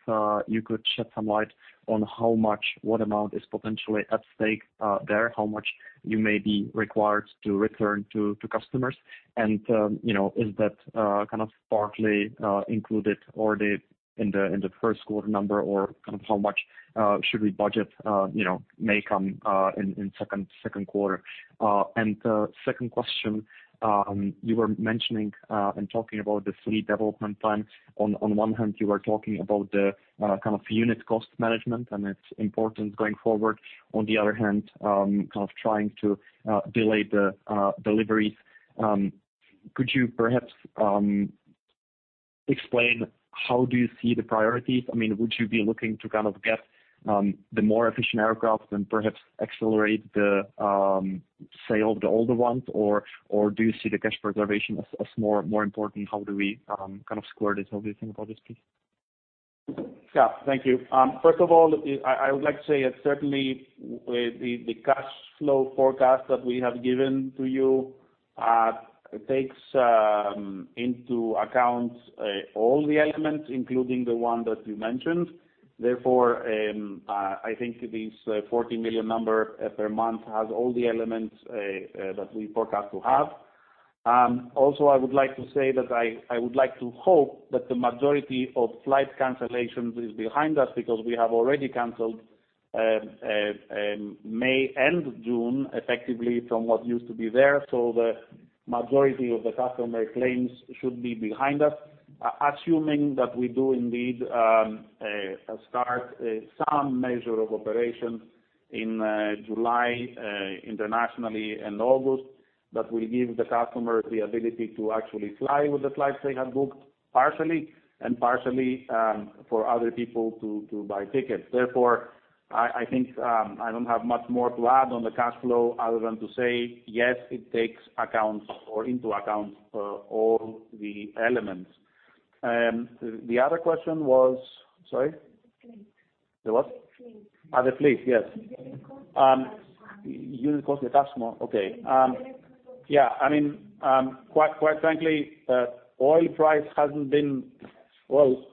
you could shed some light on how much, what amount is potentially at stake there, how much you may be required to return to customers. Is that kind of partly included already in the first quarter number, or kind of how much should we budget may come in second quarter? Second question, you were mentioning and talking about the fleet development plan. On one hand, you were talking about the kind of unit cost management and its importance going forward. On the other hand, kind of trying to delay the deliveries. explain how do you see the priorities? Would you be looking to get the more efficient aircraft and perhaps accelerate the sale of the older ones, or do you see the cash preservation as more important? How do we square this? How do you think about this, please? Yeah, thank you. First of all, I would like to say that certainly, the cash flow forecast that we have given to you takes into account all the elements, including the one that you mentioned. I think this 40 million number per month has all the elements that we forecast to have. I would like to say that I would like to hope that the majority of flight cancellations is behind us because we have already canceled May and June effectively from what used to be there, so the majority of the customer claims should be behind us. Assuming that we do indeed start some measure of operation in July internationally and August, that will give the customer the ability to actually fly with the flights they had booked partially, and partially for other people to buy tickets. I think I don't have much more to add on the cash flow other than to say, yes, it takes into account all the elements. The other question was? Sorry. The fleet. The what? The fleet. The fleet, yes. Unit cost per cash flow. Unit cost per cash flow. Okay. Yeah. Quite frankly, oil price hasn't been, well,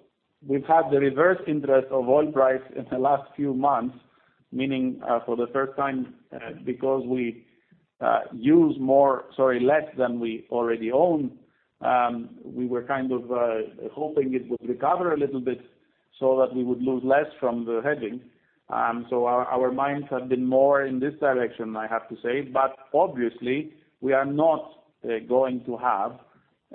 we've had the reverse interest of oil price in the last few months, meaning for the first time because we use less than we already own, we were kind of hoping it would recover a little bit so that we would lose less from the hedging. Our minds have been more in this direction, I have to say. Obviously, we are not going to have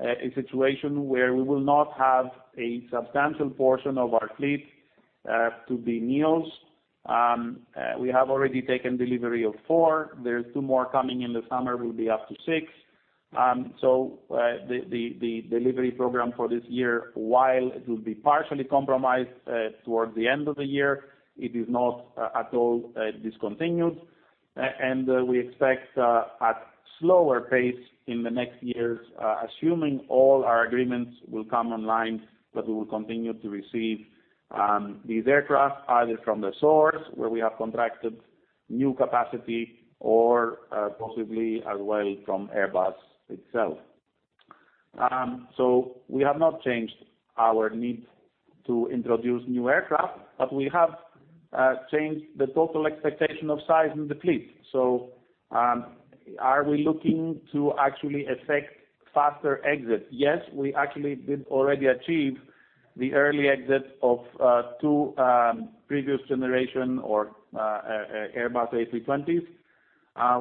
a situation where we will not have a substantial portion of our fleet to be A320neo. We have already taken delivery of four. There is two more coming in the summer, we will be up to six. The delivery program for this year, while it will be partially compromised towards the end of the year, it is not at all discontinued. We expect at slower pace in the next years, assuming all our agreements will come online, that we will continue to receive these aircraft either from the source where we have contracted new capacity, or possibly as well from Airbus itself. We have not changed our need to introduce new aircraft, but we have changed the total expectation of size in the fleet. Are we looking to actually effect faster exit? Yes, we actually did already achieve the early exit of two previous generation or Airbus A320s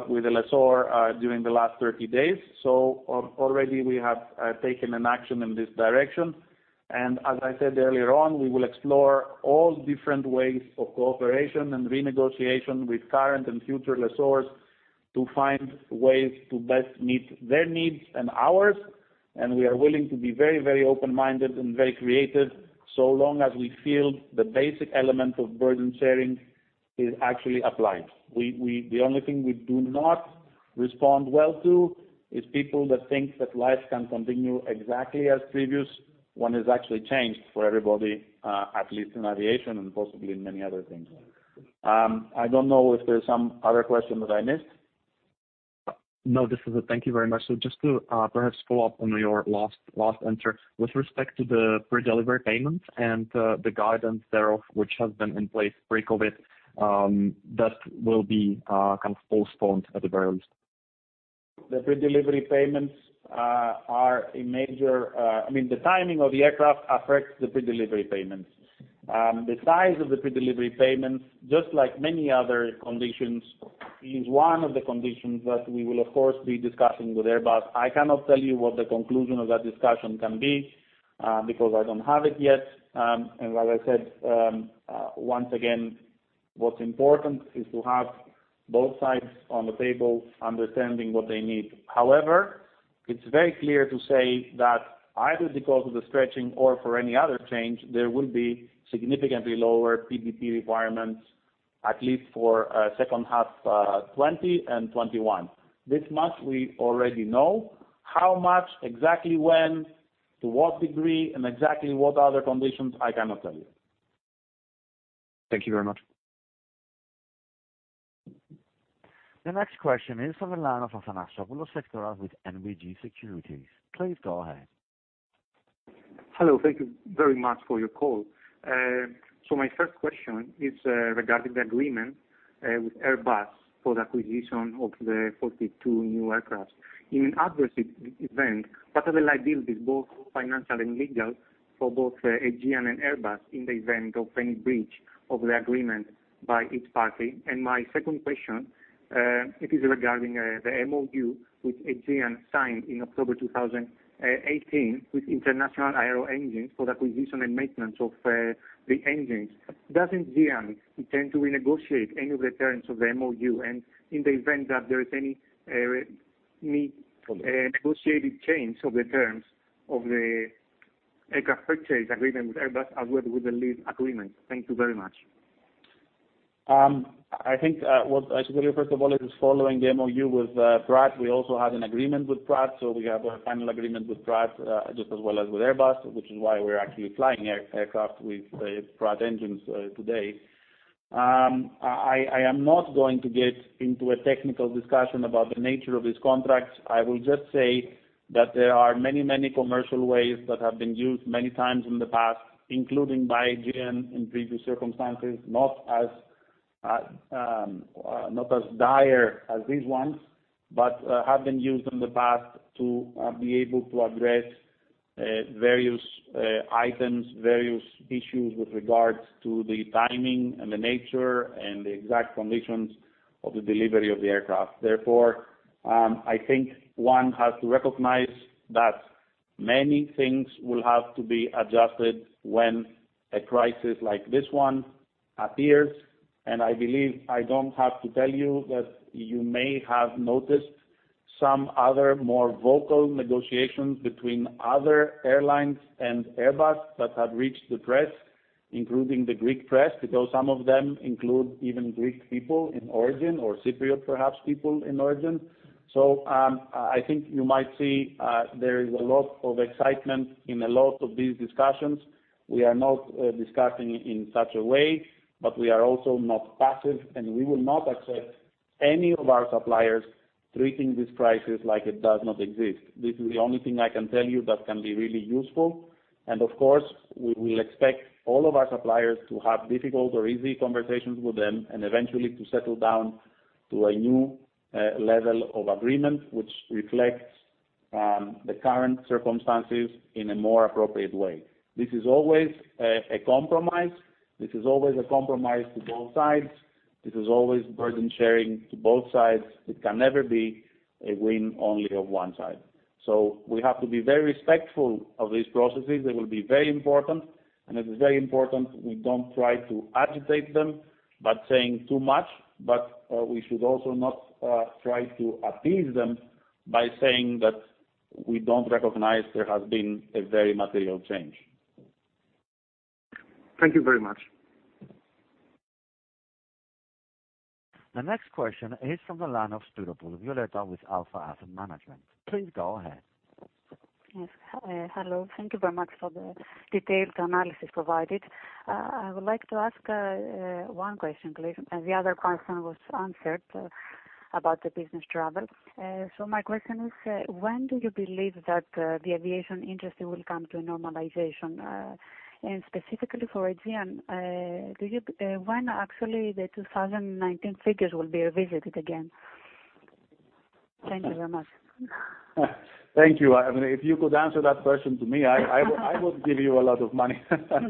with a lessor during the last 30 days. Already we have taken an action in this direction. As I said earlier on, we will explore all different ways of cooperation and renegotiation with current and future lessors to find ways to best meet their needs and ours. We are willing to be very, very open-minded and very creative, so long as we feel the basic element of burden sharing is actually applied. The only thing we do not respond well to is people that think that life can continue exactly as previous when it's actually changed for everybody, at least in aviation and possibly in many other things. I don't know if there's some other question that I missed. No, this is it. Thank you very much. Just to perhaps follow up on your last answer. With respect to the pre-delivery payments and the guidance thereof, which has been in place pre-COVID, that will be postponed at the very least. The timing of the aircraft affects the pre-delivery payments. The size of the pre-delivery payments, just like many other conditions, is one of the conditions that we will, of course, be discussing with Airbus. I cannot tell you what the conclusion of that discussion can be because I don't have it yet. As I said, once again, what's important is to have both sides on the table understanding what they need. However, it's very clear to say that either because of the stretching or for any other change, there will be significantly lower PDP requirements, at least for second half 2020 and 2021. This much we already know. How much, exactly when, to what degree, and exactly what other conditions, I cannot tell you. Thank you very much. The next question is on the line of Athanasios Tsoupalas, Sector Analyst with NBG Securities. Please go ahead. Hello. Thank you very much for your call. My first question is regarding the agreement with Airbus for the acquisition of the 42 new aircraft. In an adverse event, what are the liabilities, both financial and legal, for both Aegean and Airbus in the event of any breach of the agreement by each party? My second question, it is regarding the MoU, which Aegean signed in October 2018 with International Aero Engines for the acquisition and maintenance of the engines. Does Aegean intend to renegotiate any of the terms of the MoU? In the event that there is any negotiated change of the terms of the aircraft purchase agreement with Airbus, as well with the lease agreement? Thank you very much. I think what I should tell you, first of all, is following the MoU with Pratt, we also had an agreement with Pratt. We have a final agreement with Pratt, just as well as with Airbus, which is why we're actually flying aircraft with Pratt engines today. I am not going to get into a technical discussion about the nature of this contract. I will just say that there are many commercial ways that have been used many times in the past, including by Aegean in previous circumstances, not as dire as these ones, but have been used in the past to be able to address various items, various issues with regards to the timing and the nature and the exact conditions of the delivery of the aircraft. Therefore, I think one has to recognize that many things will have to be adjusted when a crisis like this one appears. I believe I don't have to tell you that you may have noticed some other more vocal negotiations between other airlines and Airbus that have reached the press, including the Greek press, because some of them include even Greek people in origin, or Cypriot perhaps people in origin. I think you might see there is a lot of excitement in a lot of these discussions. We are not discussing in such a way, but we are also not passive, and we will not accept any of our suppliers treating this crisis like it does not exist. This is the only thing I can tell you that can be really useful. Of course, we will expect all of our suppliers to have difficult or easy conversations with them and eventually to settle down to a new level of agreement, which reflects the current circumstances in a more appropriate way. This is always a compromise. This is always a compromise to both sides. This is always burden sharing to both sides. It can never be a win only of one side. We have to be very respectful of these processes. They will be very important, and it is very important we don't try to agitate them by saying too much, but we should also not try to appease them by saying that we don't recognize there has been a very material change. Thank you very much. The next question is from the line of Violeta with Alpha Asset Management. Please go ahead. Yes. Hello. Thank you very much for the detailed analysis provided. I would like to ask one question, please. The other question was answered about the business travel. My question is, when do you believe that the aviation industry will come to a normalization? Specifically for Aegean, when actually the 2019 figures will be revisited again? Thank you very much. Thank you. I mean, if you could answer that question to me, I would give you a lot of money. That's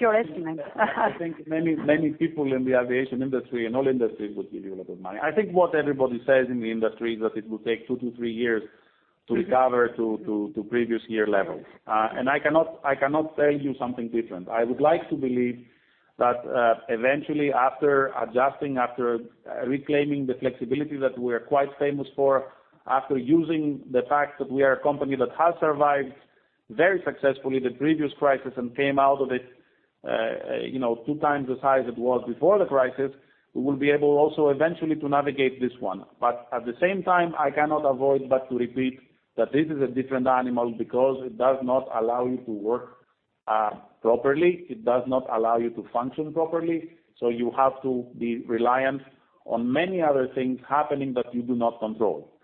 your estimate. I think many people in the aviation industry and all industries would give you a lot of money. I think what everybody says in the industry is that it will take 2-3 years to recover to previous year levels. I cannot tell you something different. I would like to believe that eventually, after adjusting, after reclaiming the flexibility that we're quite famous for, after using the fact that we are a company that has survived very successfully the previous crisis and came out of it two times the size it was before the crisis, we will be able also eventually to navigate this one. At the same time, I cannot avoid but to repeat that this is a different animal because it does not allow you to work properly. It does not allow you to function properly. You have to be reliant on many other things happening that you do not control.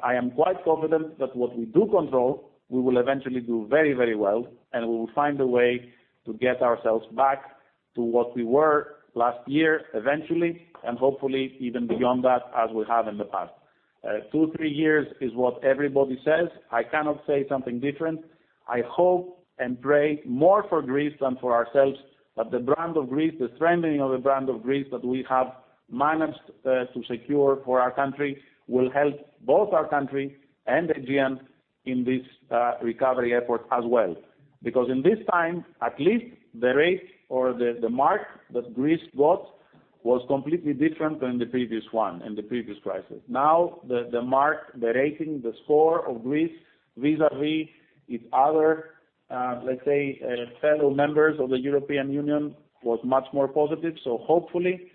I am quite confident that what we do control, we will eventually do very well, and we will find a way to get ourselves back to what we were last year eventually, and hopefully even beyond that, as we have in the past. Two, three years is what everybody says. I cannot say something different. I hope and pray more for Greece than for ourselves that the brand of Greece, the strengthening of the brand of Greece that we have managed to secure for our country will help both our country and Aegean in this recovery effort as well. In this time, at least the rate or the mark that Greece got was completely different than the previous one in the previous crisis. The mark, the rating, the score of Greece vis-à-vis its other, let's say, fellow members of the European Union was much more positive. Hopefully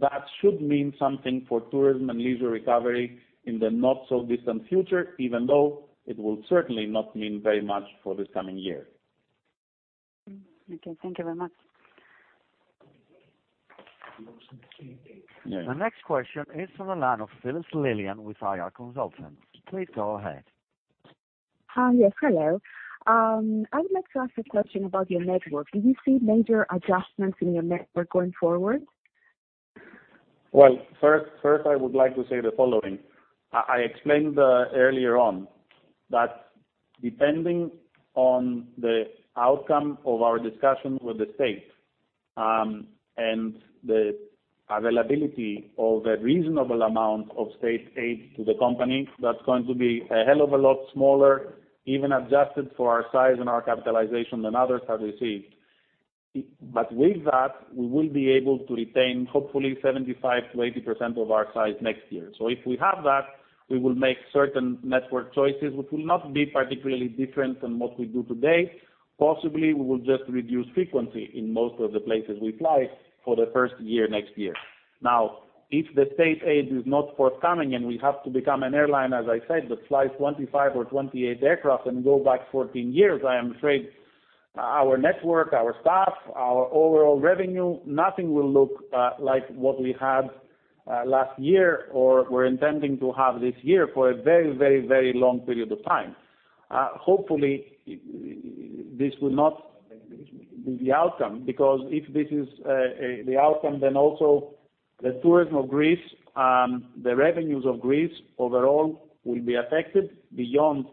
that should mean something for tourism and leisure recovery in the not so distant future, even though it will certainly not mean very much for this coming year. Okay. Thank you very much. Yeah. The next question is from the line of Phyllis Lillian with IR Consultants. Please go ahead. Hi. Yes, hello. I would like to ask a question about your network. Do you see major adjustments in your network going forward? Well, first, I would like to say the following. I explained earlier on that depending on the outcome of our discussions with the state, and the availability of a reasonable amount of state aid to the company, that's going to be a hell of a lot smaller, even adjusted for our size and our capitalization than others have received. With that, we will be able to retain hopefully 75%-80% of our size next year. If we have that, we will make certain network choices which will not be particularly different than what we do today. Possibly, we will just reduce frequency in most of the places we fly for the first year next year. If the state aid is not forthcoming and we have to become an airline, as I said, that flies 25 or 28 aircraft and go back 14 years, I am afraid our network, our staff, our overall revenue, nothing will look like what we had last year, or we're intending to have this year for a very long period of time. Hopefully, this will not be the outcome, because if this is the outcome, the tourism of Greece and the revenues of Greece overall will be affected beyond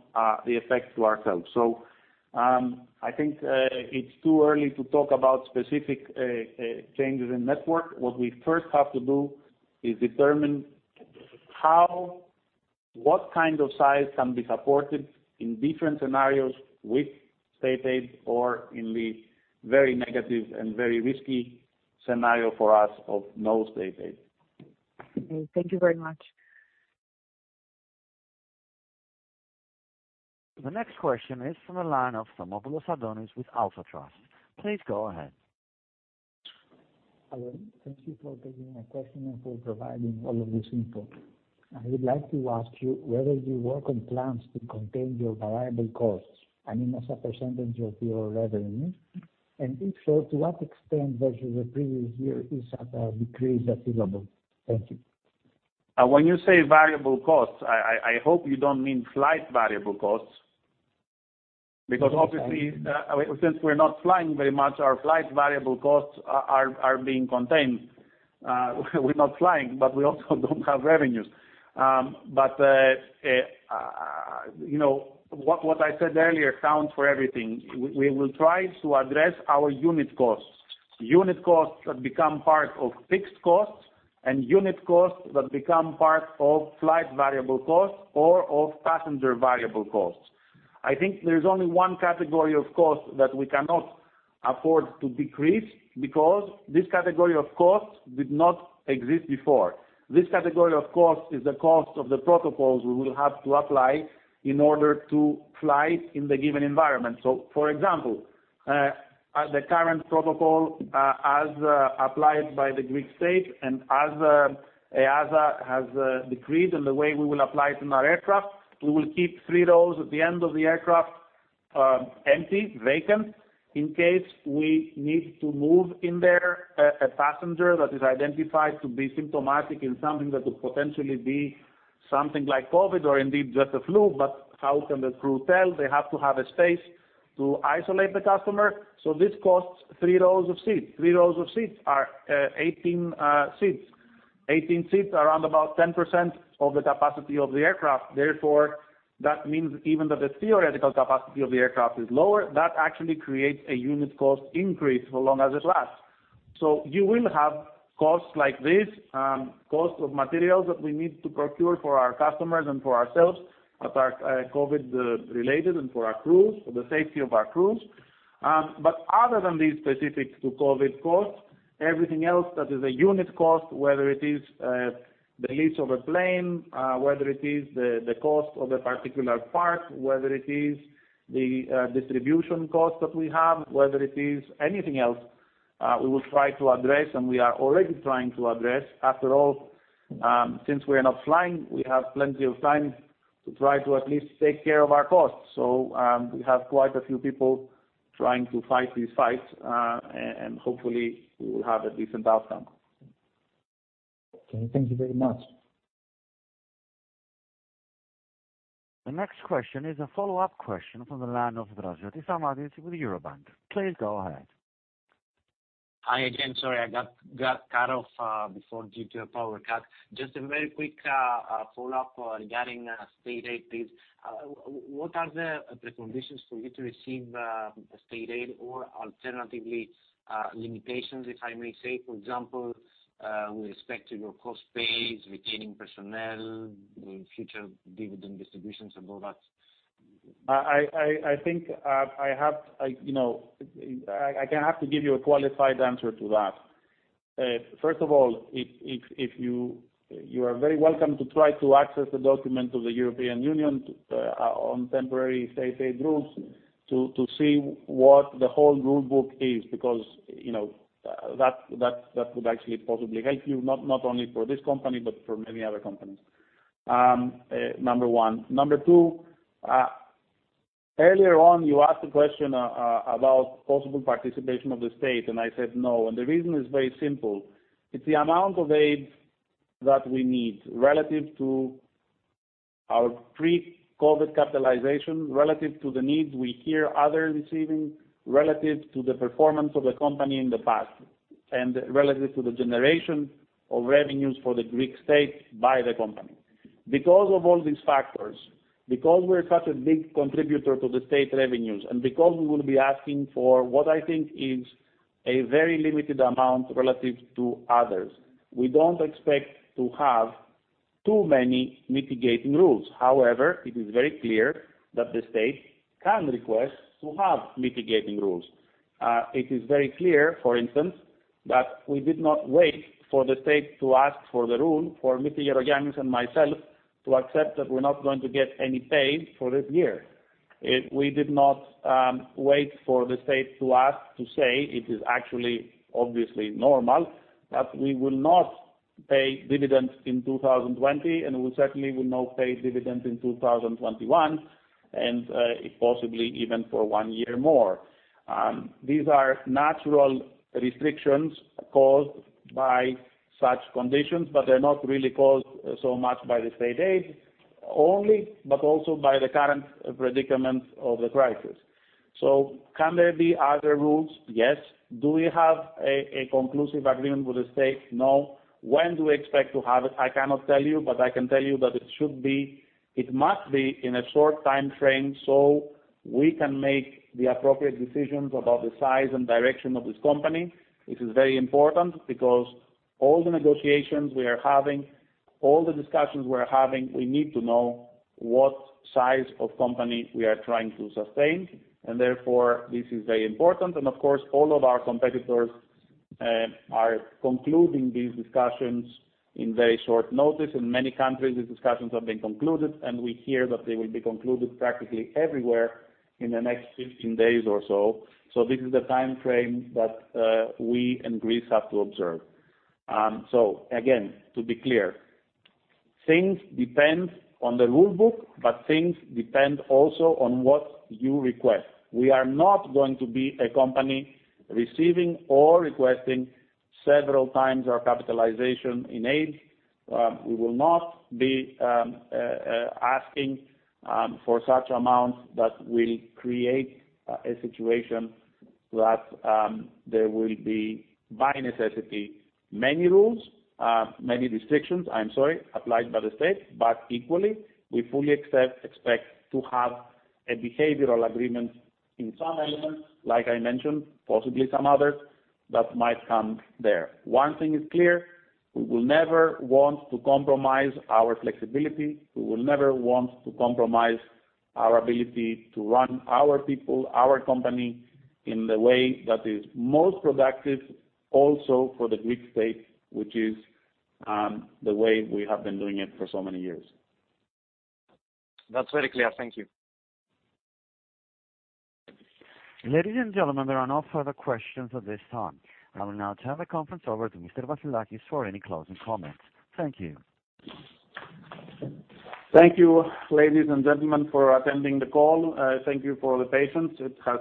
the effect to ourselves. I think it's too early to talk about specific changes in network. What we first have to do is determine how, what kind of size can be supported in different scenarios with state aid, or in the very negative and very risky scenario for us of no state aid. Okay. Thank you very much. The next question is from the line of Stamatios Adonis with Alpha Trust. Please go ahead. Hello. Thank you for taking my question and for providing all of this info. I would like to ask you whether you work on plans to contain your variable costs, I mean, as a percentage of your revenue. If so, to what extent versus the previous year is at a decrease achievable? Thank you. When you say variable costs, I hope you don't mean flight variable costs. Yes. Obviously, since we're not flying very much, our flight variable costs are being contained. We're not flying, but we also don't have revenues. What I said earlier counts for everything. We will try to address our unit costs, unit costs that become part of fixed costs, and unit costs that become part of flight variable costs or of passenger variable costs. I think there's only one category of cost that we cannot afford to decrease, because this category of cost did not exist before. This category of cost is the cost of the protocols we will have to apply in order to fly in the given environment. For example, the current protocol as applied by the Greek state and as EASA has decreed and the way we will apply it in our aircraft, we will keep three rows at the end of the aircraft empty, vacant, in case we need to move in there a passenger that is identified to be symptomatic in something that could potentially be something like COVID or indeed just the flu. How can the crew tell? They have to have a space to isolate the customer. This costs three rows of seats. Three rows of seats are 18 seats. 18 seats are around about 10% of the capacity of the aircraft. That means even that the theoretical capacity of the aircraft is lower, that actually creates a unit cost increase for long as it lasts. You will have costs like this, cost of materials that we need to procure for our customers and for ourselves that are COVID related and for our crews, for the safety of our crews. Other than these specific to COVID costs, everything else that is a unit cost, whether it is the lease of a plane, whether it is the cost of a particular part, whether it is the distribution cost that we have, whether it is anything else, we will try to address, and we are already trying to address. After all, since we are not flying, we have plenty of time to try to at least take care of our costs. We have quite a few people trying to fight this fight, and hopefully we will have a decent outcome. Okay. Thank you very much. The next question is a follow-up question from the line of Georgios Samaris with Eurobank. Please go ahead. Hi again. Sorry, I got cut off before due to a power cut. Just a very quick follow-up regarding state aid, please. What are the preconditions for you to receive state aid or alternatively, limitations, if I may say, for example, with respect to your cost base, retaining personnel, future dividend distributions and all that? I think I have to give you a qualified answer to that. First of all, you are very welcome to try to access the document of the European Union on temporary state aid rules to see what the whole rule book is, because that would actually possibly help you, not only for this company, but for many other companies. Number one. Number two, earlier on you asked a question about possible participation of the state, and I said no, and the reason is very simple. It's the amount of aid that we need relative to our pre-COVID capitalization, relative to the needs we hear others receiving, relative to the performance of the company in the past, and relative to the generation of revenues for the Greek state by the company. Because of all these factors, because we're such a big contributor to the state revenues, and because we will be asking for what I think is a very limited amount relative to others, we don't expect to have too many mitigating rules. However, it is very clear that the state can request to have mitigating rules. It is very clear, for instance, that we did not wait for the state to ask for the rule for Mr. Gerogiannis and myself to accept that we're not going to get any pay for this year. We did not wait for the state to ask to say it is actually obviously normal that we will not pay dividends in 2020, and we certainly will not pay dividends in 2021, and if possibly even for one year more. These are natural restrictions caused by such conditions, but they're not really caused so much by the state aid only, but also by the current predicament of the crisis. Can there be other rules? Yes. Do we have a conclusive agreement with the state? No. When do we expect to have it? I cannot tell you, but I can tell you that it must be in a short timeframe so we can make the appropriate decisions about the size and direction of this company. This is very important because all the negotiations we are having, all the discussions we're having, we need to know what size of company we are trying to sustain, and therefore, this is very important. Of course, all of our competitors are concluding these discussions in very short notice. In many countries, these discussions have been concluded, and we hear that they will be concluded practically everywhere in the next 15 days or so. This is the timeframe that we in Greece have to observe. Again, to be clear, things depend on the rule book. Things depend also on what you request. We are not going to be a company receiving or requesting several times our capitalization in aid. We will not be asking for such amounts that will create a situation that there will be, by necessity, many restrictions applied by the state. Equally, we fully expect to have a behavioral agreement in some elements, like I mentioned, possibly some others that might come there. One thing is clear, we will never want to compromise our flexibility. We will never want to compromise our ability to run our people, our company, in the way that is most productive also for the Greek state, which is the way we have been doing it for so many years. That's very clear. Thank you. Ladies and gentlemen, there are no further questions at this time. I will now turn the conference over to Mr. Vassilakis for any closing comments. Thank you. Thank you, ladies and gentlemen, for attending the call. Thank you for the patience. It has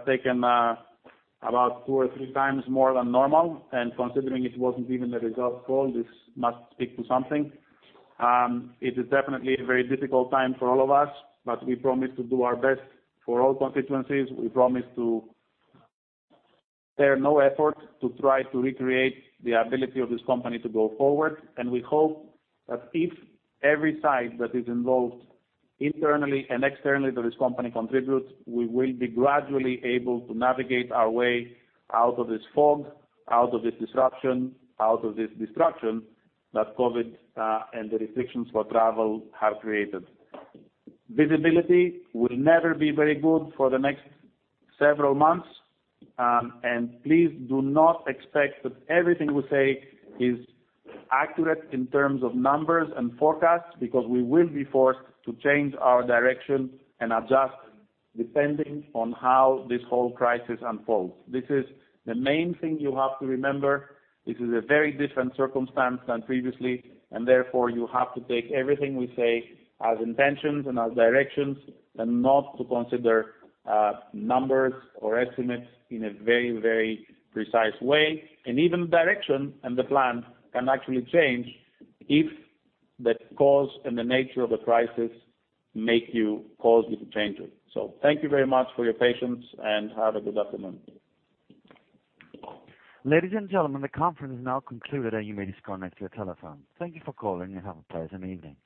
taken about two or three times more than normal, considering it wasn't even a result call, this must speak to something. It is definitely a very difficult time for all of us, we promise to do our best for all constituencies. We promise to spare no effort to try to recreate the ability of this company to go forward. We hope that if every side that is involved internally and externally to this company contributes, we will be gradually able to navigate our way out of this fog, out of this disruption, out of this destruction that COVID and the restrictions for travel have created. Visibility will never be very good for the next several months, and please do not expect that everything we say is accurate in terms of numbers and forecasts, because we will be forced to change our direction and adjust depending on how this whole crisis unfolds. This is the main thing you have to remember. This is a very different circumstance than previously, and therefore you have to take everything we say as intentions and as directions, and not to consider numbers or estimates in a very precise way. Even direction and the plan can actually change if the cause and the nature of the crisis cause you to change it. Thank you very much for your patience and have a good afternoon. Ladies and gentlemen, the conference is now concluded, and you may disconnect your telephones. Thank you for calling and have a pleasant evening.